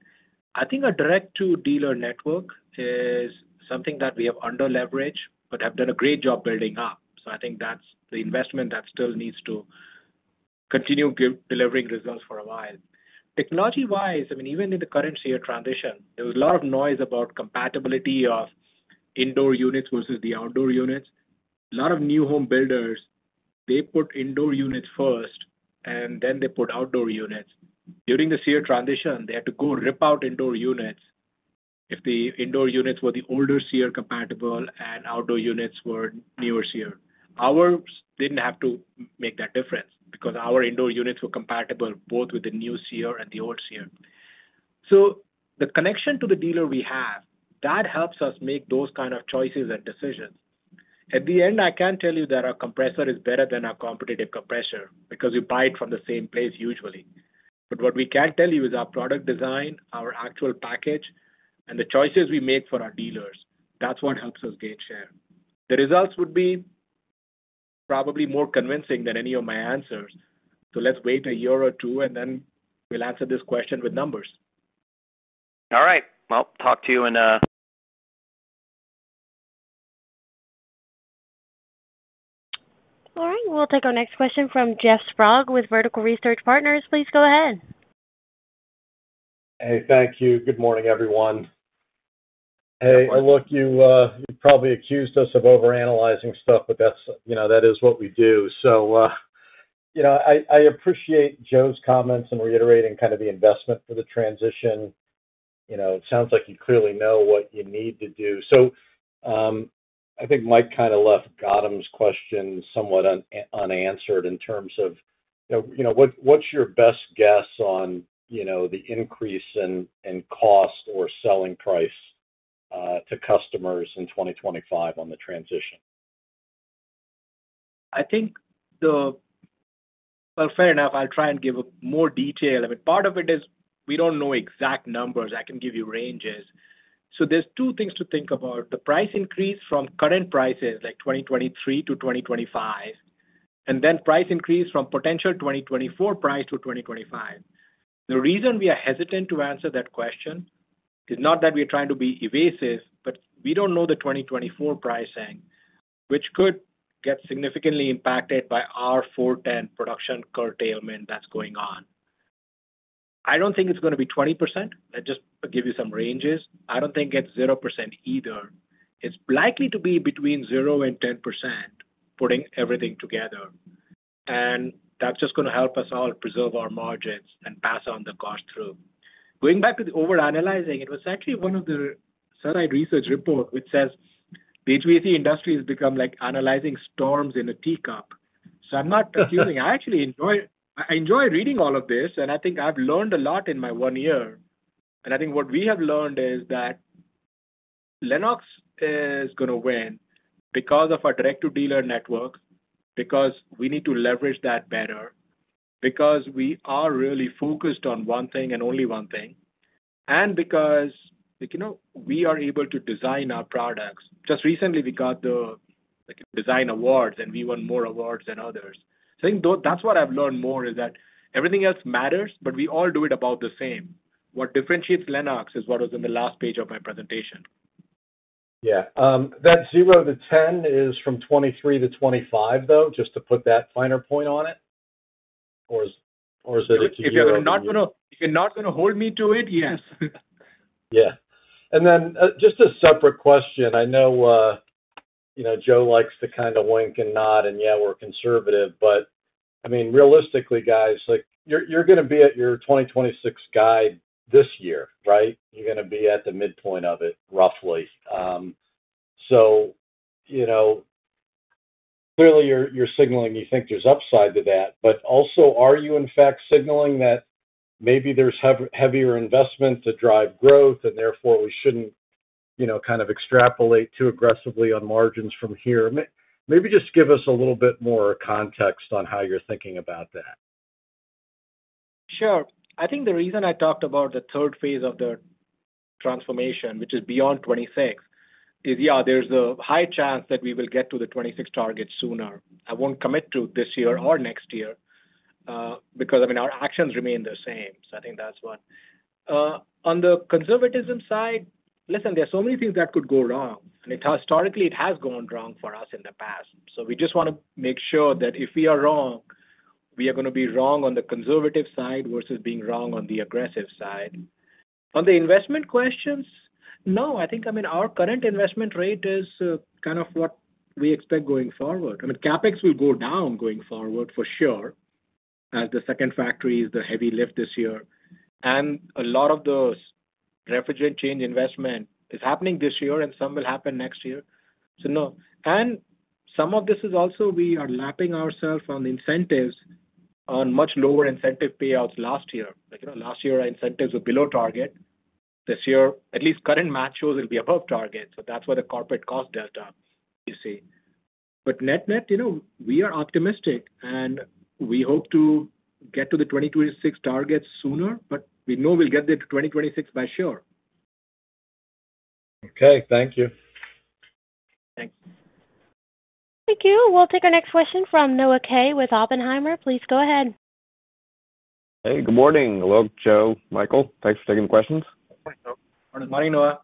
I think our direct-to-dealer network is something that we have under leveraged but have done a great job building up. I think that's the investment that still needs to continue delivering results for a while. Technology-wise, I mean, even in the current SEER transition, there was a lot of noise about compatibility of indoor units versus the outdoor units. A lot of new home builders, they put indoor units first, and then they put outdoor units. During the SEER transition, they had to go rip out indoor units if the indoor units were the older SEER compatible and outdoor units were newer SEER. Ours didn't have to make that difference, because our indoor units were compatible both with the new SEER and the old SEER. The connection to the dealer we have, that helps us make those kind of choices and decisions. At the end, I can tell you that our compressor is better than our competitive compressor, because you buy it from the same place usually. What we can tell you is our product design, our actual package, and the choices we make for our dealers, that's what helps us gain share. The results would be probably more convincing than any of my answers. Let's wait a year or two, and then we'll answer this question with numbers. All right. Well, talk to you in. All right, we'll take our next question from Jeffrey Sprague with Vertical Research Partners. Please go ahead. Hey, thank you. Good morning, everyone. Hey, look, you, you probably accused us of overanalyzing stuff, but that's, you know, that is what we do. I appreciate Joe's comments and reiterating kind of the investment for the transition. You know, it sounds like you clearly know what you need to do. I think Mike kind of left Gautam's question somewhat unanswered in terms of, you know, what, what's your best guess on, you know, the increase in, in cost or selling price to customers in 2025 on the transition? I think. Well, fair enough, I'll try and give more detail. I mean, part of it is we don't know exact numbers. I can give you ranges. There's two things to think about. The price increase from current prices, like 2023 to 2025, and then price increase from potential 2024 price to 2025. The reason we are hesitant to answer that question is not that we are trying to be evasive, but we don't know the 2024 pricing, which could get significantly impacted by R-410A production curtailment that's going on. I don't think it's going to be 20%. I just give you some ranges. I don't think it's 0% either. It's likely to be between 0% and 10%, putting everything together, and that's just going to help us all preserve our margins and pass on the cost through. Going back to the overanalyzing, it was actually one of the Satellite Research Report, which says, the HVAC industry has become like analyzing storms in a teacup. I'm not confusing. I actually enjoy reading all of this, and I think I've learned a lot in my one year. I think what we have learned is that Lennox is going to win because of our direct-to-dealer network, because we need to leverage that better, because we are really focused on one thing and only one thing, and because, you know, we are able to design our products. Just recently, we got the, like, design awards, and we won more awards than others. I think that's what I've learned more, is that everything else matters, but we all do it about the same. What differentiates Lennox is what was in the last page of my presentation. Yeah. That 0-10 is from 23-25, though, just to put that finer point on it. Or is it? If you're not gonna hold me to it, yes. Yeah. Then, just a separate question. I know, you know Joe likes to kind of wink and nod, yeah, we're conservative, I mean, realistically, guys, like, you're gonna be at your 2026 guide this year, right? You're gonna be at the midpoint of it, roughly. You know, clearly, you're signaling you think there's upside to that, also, are you, in fact, signaling that maybe there's heavier investment to drive growth, therefore, we shouldn't, you know, kind of extrapolate too aggressively on margins from here? Maybe just give us a little bit more context on how you're thinking about that. Sure. I think the reason I talked about the third phase of the transformation, which is beyond 26, is, yeah, there's a high chance that we will get to the 26 target sooner. I won't commit to this year or next year, because, I mean, our actions remain the same. I think that's one. On the conservatism side, listen, there are so many things that could go wrong, and historically, it has gone wrong for us in the past. We just want to make sure that if we are wrong, we are gonna be wrong on the conservative side versus being wrong on the aggressive side. On the investment questions, no, I think, I mean, our current investment rate is kind of what we expect going forward. I mean, CapEx will go down going forward for sure, as the second factory is the heavy lift this year, and a lot of those refrigerant change investment is happening this year, and some will happen next year. no. some of this is also we are mapping ourself on the incentives on much lower incentive payouts last year. Like, you know, last year, our incentives were below target. This year, at least current match shows it'll be above target, so that's why the corporate cost delta, you see. net-net, you know, we are optimistic, and we hope to get to the 2026 targets sooner, but we know we'll get there to 2026 by sure. Okay, thank you. Thanks. Thank you. We'll take our next question from Noah Kaye with Oppenheimer. Please go ahead. Hey, good morning. Alok, Joe, Michael, thanks for taking the questions. Good morning, Noah.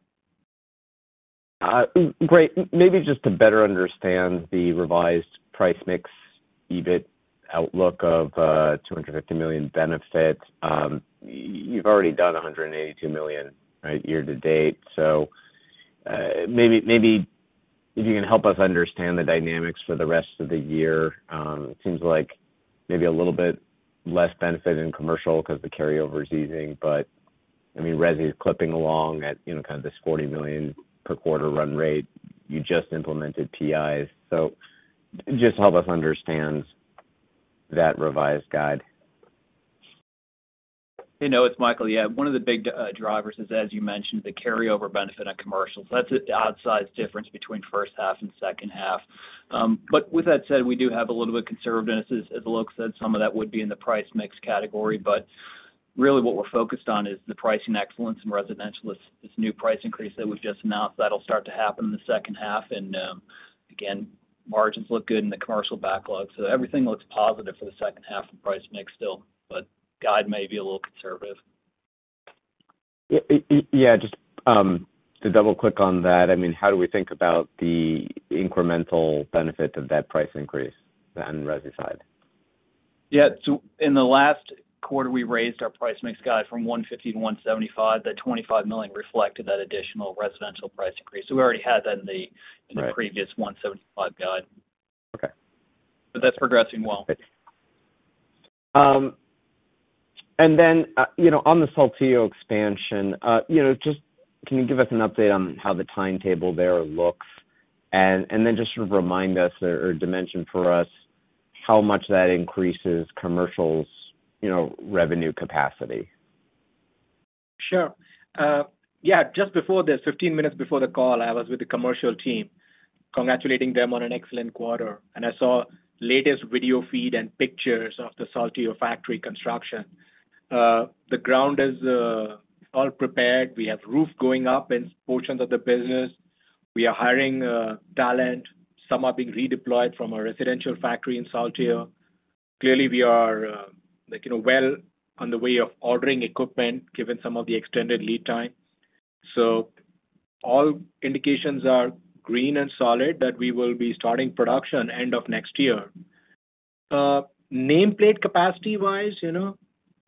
Great. Maybe just to better understand the revised price mix, EBIT outlook of $250 million benefits. You've already done $182 million, right, year to date. Maybe if you can help us understand the dynamics for the rest of the year. It seems like maybe a little bit less benefit in commercial because the carryover is easing, but I mean, resi is clipping along at, you know, kind of this $40 million per quarter run rate. You just implemented PIs. Just help us understand that revised guide. Hey, Noah, it's Michael. Yeah, one of the big drivers is, as you mentioned, the carryover benefit on commercials. That's an outsized difference between first half and second half. With that said, we do have a little bit of conservativeness. As Alok said, some of that would be in the price mix category, but really what we're focused on is the pricing excellence in residential. This new price increase that we've just announced, that'll start to happen in the second half, and again, margins look good in the commercial backlog. Everything looks positive for the second half of price mix still, but guide may be a little conservative. Yeah, just to double-click on that, I mean, how do we think about the incremental benefit of that price increase on resi side? Yeah. In the last quarter, we raised our price mix guide from 150 to 175. That $25 million reflected that additional residential price increase. We already had that in the- Right In the previous $175 guide. Okay. That's progressing well. You know, on the Saltillo expansion, you know, just can you give us an update on how the timetable there looks? Just sort of remind us or, or dimension for us how much that increases commercials, you know, revenue capacity. Sure. Yeah, just before this, 15 minutes before the call, I was with the commercial team, congratulating them on an excellent quarter, and I saw latest video feed and pictures of the Saltillo factory construction. The ground is all prepared. We have roof going up in portions of the business. We are hiring talent. Some are being redeployed from our residential factory in Saltillo. Clearly, we are, like, you know, well on the way of ordering equipment, given some of the extended lead time. All indications are green and solid that we will be starting production end of next year. Nameplate capacity-wise, you know,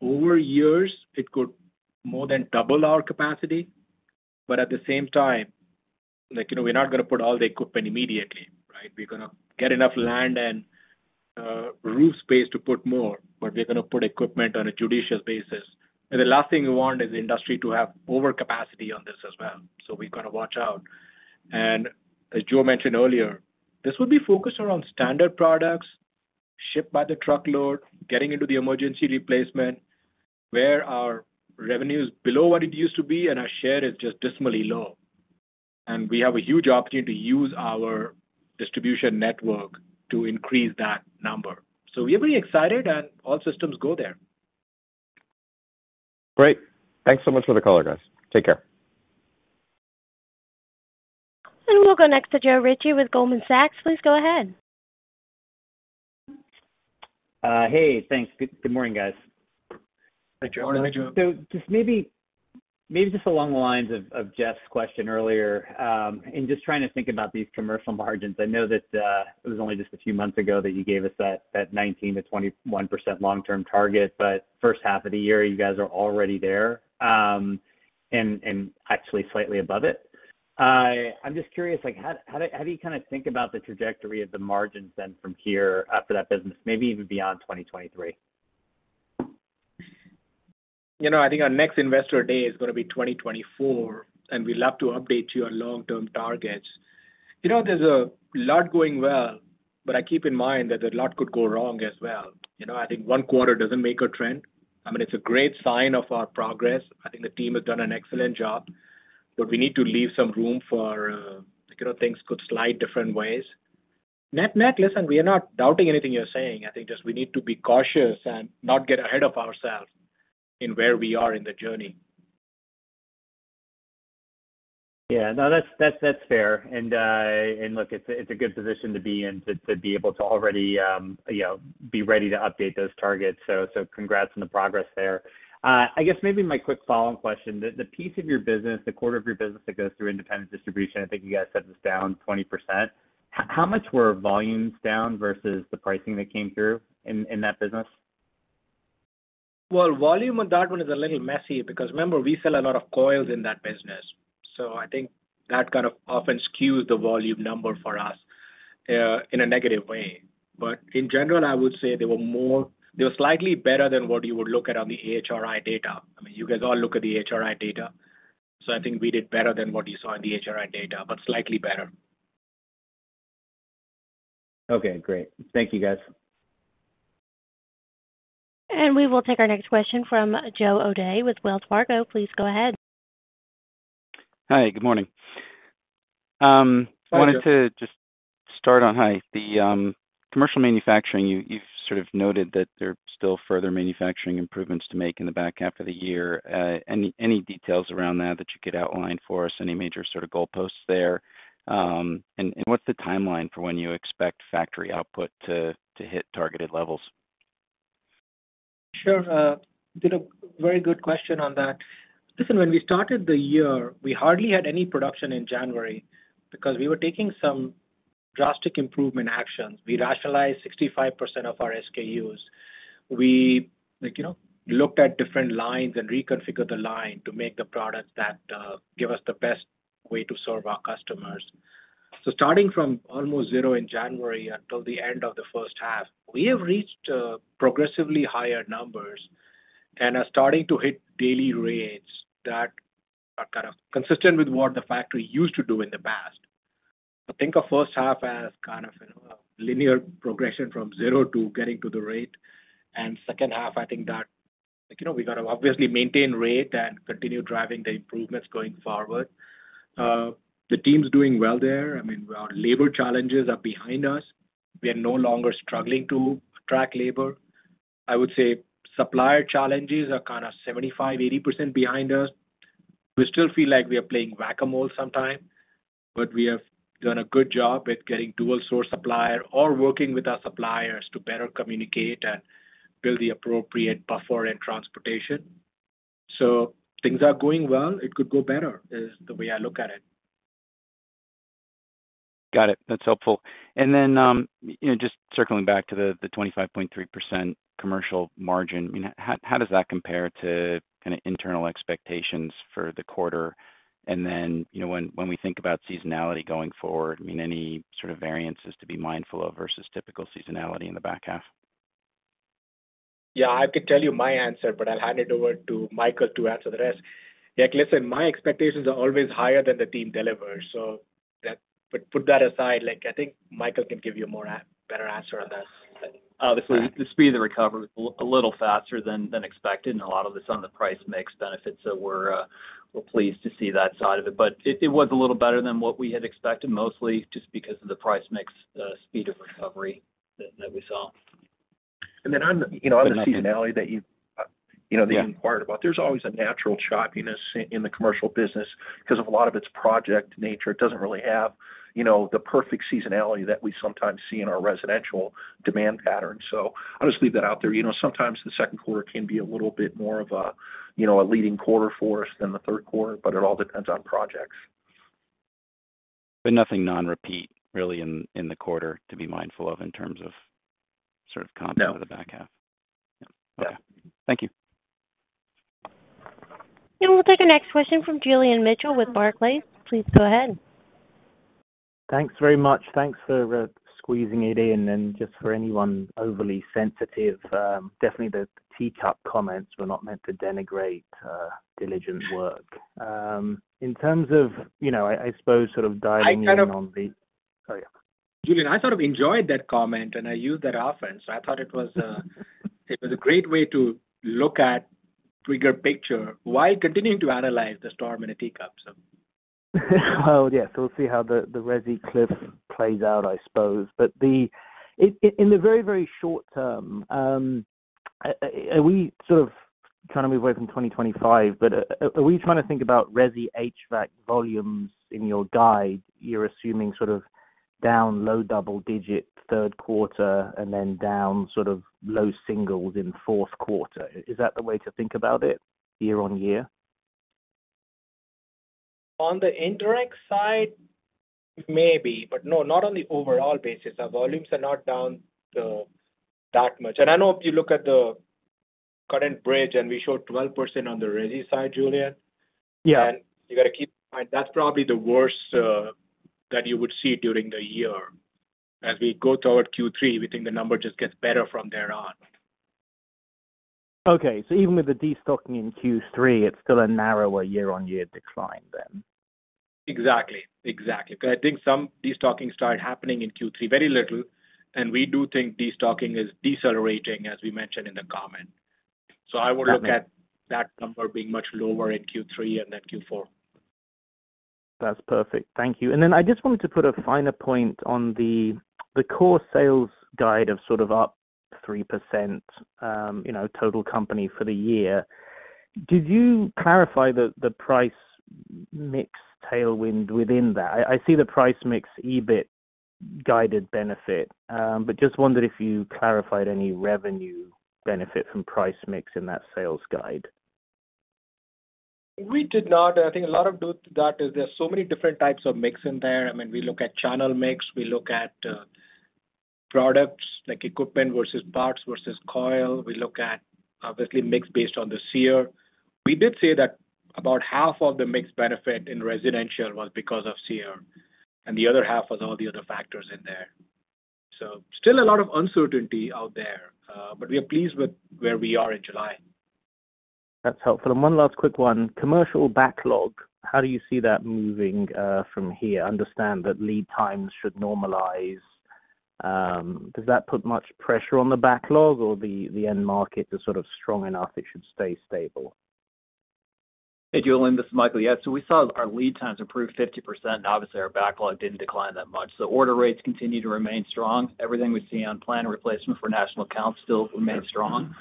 over years, it could more than double our capacity, at the same time, like, you know, we're not gonna put all the equipment immediately, right? We're gonna get enough land and roof space to put more, but we're gonna put equipment on a judicious basis. The last thing we want is the industry to have overcapacity on this as well, so we've got to watch out. As Joe mentioned earlier, this will be focused around standard products, shipped by the truckload, getting into the emergency replacement, where our revenue is below what it used to be and our share is just dismally low. We have a huge opportunity to use our distribution network to increase that number. We are very excited and all systems go there. Great. Thanks so much for the color, guys. Take care. We'll go next to Joseph Ritchie with Goldman Sachs. Please go ahead. Hey, thanks. Good morning, guys. Good morning, Joe. Good morning, Joe. Just maybe just along the lines of Jeff's question earlier, and just trying to think about these commercial margins. I know that it was only just a few months ago that you gave us that 19%-21% long-term target, first half of the year, you guys are already there, and actually slightly above it. I'm just curious, like, how do you kind of think about the trajectory of the margins then from here after that business, maybe even beyond 2023? You know, I think our next Investor Day is gonna be 2024, and we'd love to update you on long-term targets. You know, there's a lot going well, but I keep in mind that a lot could go wrong as well. You know, I think one quarter doesn't make a trend. I mean, it's a great sign of our progress. I think the team has done an excellent job, but we need to leave some room for, you know, things could slide different ways. Net, net, listen, we are not doubting anything you're saying. I think just we need to be cautious and not get ahead of ourselves in where we are in the journey. No, that's, that's, that's fair. Look, it's a, it's a good position to be in, to be able to already, you know, be ready to update those targets. Congrats on the progress there. I guess maybe my quick follow-on question, the piece of your business, the quarter of your business that goes through independent distribution, I think you guys said this is down 20%. How much were volumes down versus the pricing that came through in that business? Volume on that one is a little messy because remember, we sell a lot of coils in that business. I think that kind of often skews the volume number for us in a negative way. In general, I would say they were slightly better than what you would look at on the AHRI data. I mean, you guys all look at the AHRI data. I think we did better than what you saw in the AHRI data, but slightly better. Okay, great. Thank you, guys. We will take our next question from Joe O'Dea with Wells Fargo. Please go ahead. Hi, good morning. Hi, Joe. I wanted to just start on how the commercial manufacturing, you've sort of noted that there are still further manufacturing improvements to make in the back half of the year. Any details around that, that you could outline for us, any major sort of goalposts there? What's the timeline for when you expect factory output to hit targeted levels? Sure. You know, very good question on that. Listen, when we started the year, we hardly had any production in January because we were taking some drastic improvement actions. We rationalized 65% of our SKUs. We, like, you know, looked at different lines and reconfigured the line to make the products that give us the best way to serve our customers. Starting from almost 0 in January until the end of the first half, we have reached progressively higher numbers and are starting to hit daily rates that are kind of consistent with what the factory used to do in the past. Think of first half as kind of, you know, a linear progression from 0 to getting to the rate. Second half, I think that, like, you know, we've got to obviously maintain rate and continue driving the improvements going forward. The team's doing well there. I mean, our labor challenges are behind us. We are no longer struggling to attract labor. I would say supplier challenges are kind of 75%-80% behind us. We still feel like we are playing Whac-A-Mole sometime. But we have done a good job with getting dual source supplier or working with our suppliers to better communicate and build the appropriate buffer and transportation. Things are going well. It could go better, is the way I look at it. Got it. That's helpful. You know, just circling back to the, the 25.3% commercial margin, I mean, how, how does that compare to kinda internal expectations for the quarter? You know, when we think about seasonality going forward, I mean, any sort of variances to be mindful of versus typical seasonality in the back half? Yeah, I could tell you my answer, but I'll hand it over to Michael to answer the rest. Yeah, listen, my expectations are always higher than the team delivers, but put that aside, like, I think Michael can give you a better answer on that. The speed of the recovery was a little faster than expected, and a lot of this on the price mix benefit, so we're pleased to see that side of it. It was a little better than what we had expected, mostly just because of the price mix speed of recovery that we saw. Then on the, you know, on the seasonality that you, you know, that you inquired about, there's always a natural choppiness in, in the commercial business because a lot of it's project nature. It doesn't really have, you know, the perfect seasonality that we sometimes see in our residential demand patterns. I'll just leave that out there. You know, sometimes the second quarter can be a little bit more of a, you know, a leading quarter for us than the third quarter, but it all depends on projects. Nothing non-repeat, really, in the quarter to be mindful of in terms of sort of. No for the back half? Yeah. Thank you. We'll take our next question from Julian Mitchell with Barclays. Please go ahead. Thanks very much. Thanks for, squeezing it in. Just for anyone overly sensitive, definitely the teacup comments were not meant to denigrate, diligent work. In terms of, you know, I suppose sort of diving in. I kind of- Oh, yeah. Julian, I sort of enjoyed that comment, and I use that often, so I thought it was a great way to look at bigger picture while continuing to analyze the storm in a teacup, so. Oh, yes. We'll see how the, the resi cliff plays out, I suppose. In the very, very short term, are we sort of trying to move away from 2025, but are we trying to think about resi HVAC volumes in your guide, you're assuming sort of down low double digit third quarter and then down sort of low singles in fourth quarter? Is that the way to think about it, year on year? On the indirect side, maybe, but no, not on the overall basis. Our volumes are not down, that much. I know if you look at the current bridge, and we showed 12% on the resi side, Julian? Yeah. You gotta keep in mind, that's probably the worst that you would see during the year. As we go toward Q3, we think the number just gets better from there on. Okay, even with the destocking in Q3, it's still a narrower year-on-year decline then? Exactly. I think some destocking started happening in Q3, very little, and we do think destocking is decelerating, as we mentioned in the comment. Got it. I would look at that number being much lower in Q3 and then Q4. That's perfect. Thank you. Then I just wanted to put a finer point on the, the core sales guide of sort of up 3%, you know, total company for the year. Did you clarify the, the price mix tailwind within that? I, I see the price mix EBIT guided benefit, just wondered if you clarified any revenue benefit from price mix in that sales guide. We did not. I think a lot of that is there are so many different types of mix in there. I mean, we look at channel mix, we look at products like equipment versus parts versus coil. We look at, obviously, mix based on the SEER. We did say that about half of the mix benefit in residential was because of SEER, and the other half was all the other factors in there. Still a lot of uncertainty out there, but we are pleased with where we are in July. That's helpful. One last quick one. Commercial backlog, how do you see that moving from here? I understand that lead times should normalize. Does that put much pressure on the backlog, or the end market is sort of strong enough, it should stay stable? Hey, Julian, this is Michael. Yeah, we saw our lead times improve 50%. Obviously, our backlog didn't decline that much. The order rates continue to remain strong. Everything we see on plan replacement for national accounts still remains strong.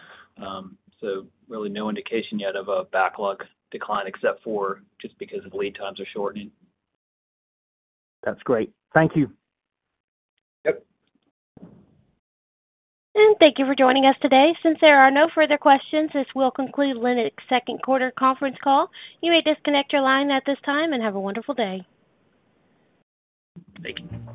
Really no indication yet of a backlog decline, except for just because of lead times are shortening. That's great. Thank you. Yep. Thank you for joining us today. Since there are no further questions, this will conclude Lennox Second Quarter Conference Call. You may disconnect your line at this time, have a wonderful day. Thank you.